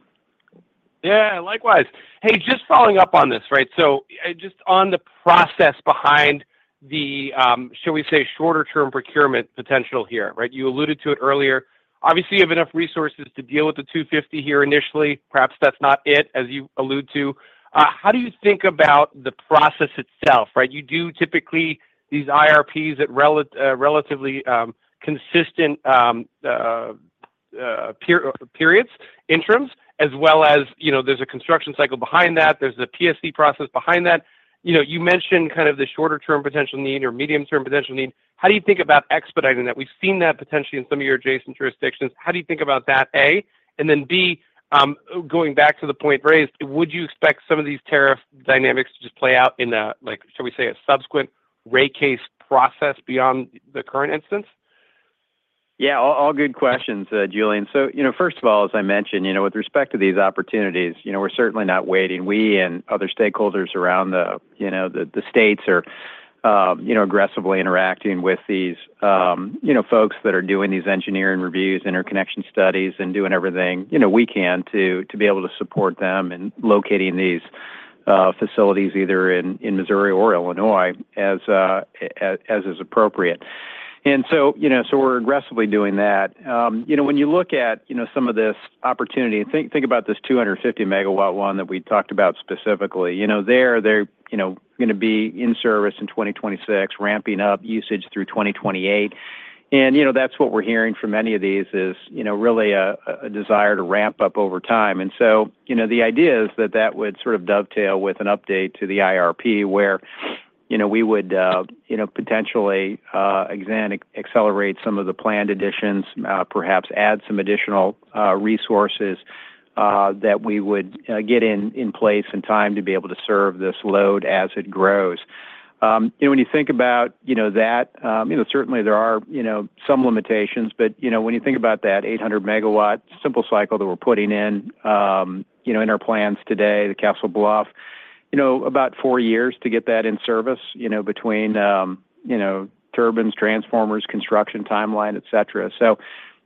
Yeah. Likewise. Hey, just following up on this, right? So just on the process behind the, shall we say, shorter-term procurement potential here, right? You alluded to it earlier. Obviously, you have enough resources to deal with the 250 here initially. Perhaps that's not it, as you allude to. How do you think about the process itself, right? You do typically these IRPs at relatively consistent periods, interims, as well as there's a construction cycle behind that. There's the PSC process behind that. You mentioned kind of the shorter-term potential need or medium-term potential need. How do you think about expediting that? We've seen that potentially in some of your adjacent jurisdictions. How do you think about that, A? And then B, going back to the point raised, would you expect some of these tariff dynamics to just play out in a, shall we say, a subsequent rate case process beyond the current instance? Yeah. All good questions, Julian. So first of all, as I mentioned, with respect to these opportunities, we're certainly not waiting. We and other stakeholders around the states are aggressively interacting with these folks that are doing these engineering reviews, interconnection studies, and doing everything we can to be able to support them in locating these facilities either in Missouri or Illinois as is appropriate. And so we're aggressively doing that. When you look at some of this opportunity, think about this 250 MW one that we talked about specifically. They're going to be in service in 2026, ramping up usage through 2028. And that's what we're hearing from many of these is really a desire to ramp up over time. So the idea is that that would sort of dovetail with an update to the IRP where we would potentially accelerate some of the planned additions, perhaps add some additional resources that we would get in place in time to be able to serve this load as it grows. When you think about that, certainly there are some limitations, but when you think about that 800 MW simple cycle that we're putting in our plans today, the Castle Bluff, about 4 years to get that in service between turbines, transformers, construction timeline, etc. So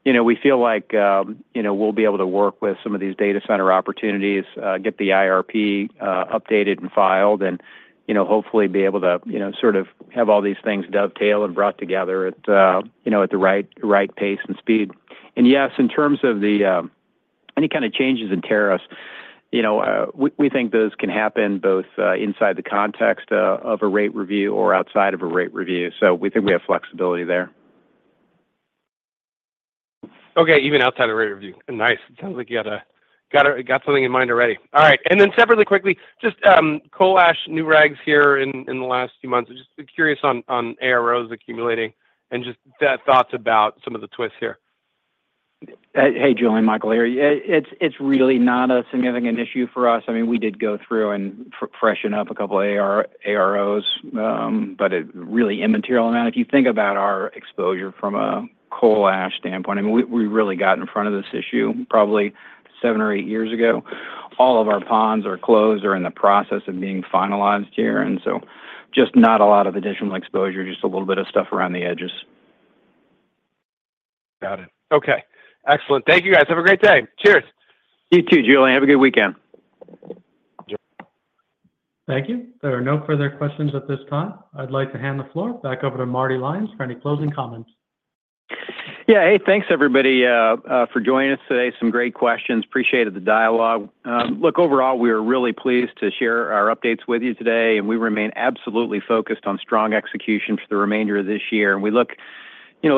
we feel like we'll be able to work with some of these data center opportunities, get the IRP updated and filed, and hopefully be able to sort of have all these things dovetail and brought together at the right pace and speed. And yes, in terms of any kind of changes in tariffs, we think those can happen both inside the context of a rate review or outside of a rate review. So we think we have flexibility there. Okay. Even outside of rate review. Nice. It sounds like you got something in mind already. All right. And then separately, quickly, just coal ash, new regs here in the last few months. Just curious on AROs accumulating and just thoughts about some of the twists here. Hey, Julian, Michael here. It's really not a significant issue for us. I mean, we did go through and freshen up a couple of AROs, but a really immaterial amount. If you think about our exposure from a coal ash standpoint, I mean, we really got in front of this issue probably seven or eight years ago. All of our ponds are closed or in the process of being finalized here. And so just not a lot of additional exposure, just a little bit of stuff around the edges. Got it. Okay. Excellent. Thank you, guys. Have a great day. Cheers. You too, Julian. Have a good weekend. Thank you. There are no further questions at this time. I'd like to hand the floor back over to Marty Lyons for any closing comments. Yeah. Hey, thanks, everybody, for joining us today. Some great questions. Appreciated the dialogue. Look, overall, we are really pleased to share our updates with you today, and we remain absolutely focused on strong execution for the remainder of this year. And we look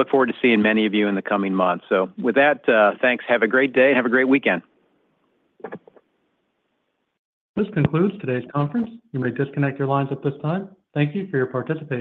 forward to seeing many of you in the coming months. So with that, thanks. Have a great day and have a great weekend. This concludes today's conference. You may disconnect your lines at this time. Thank you for your participation.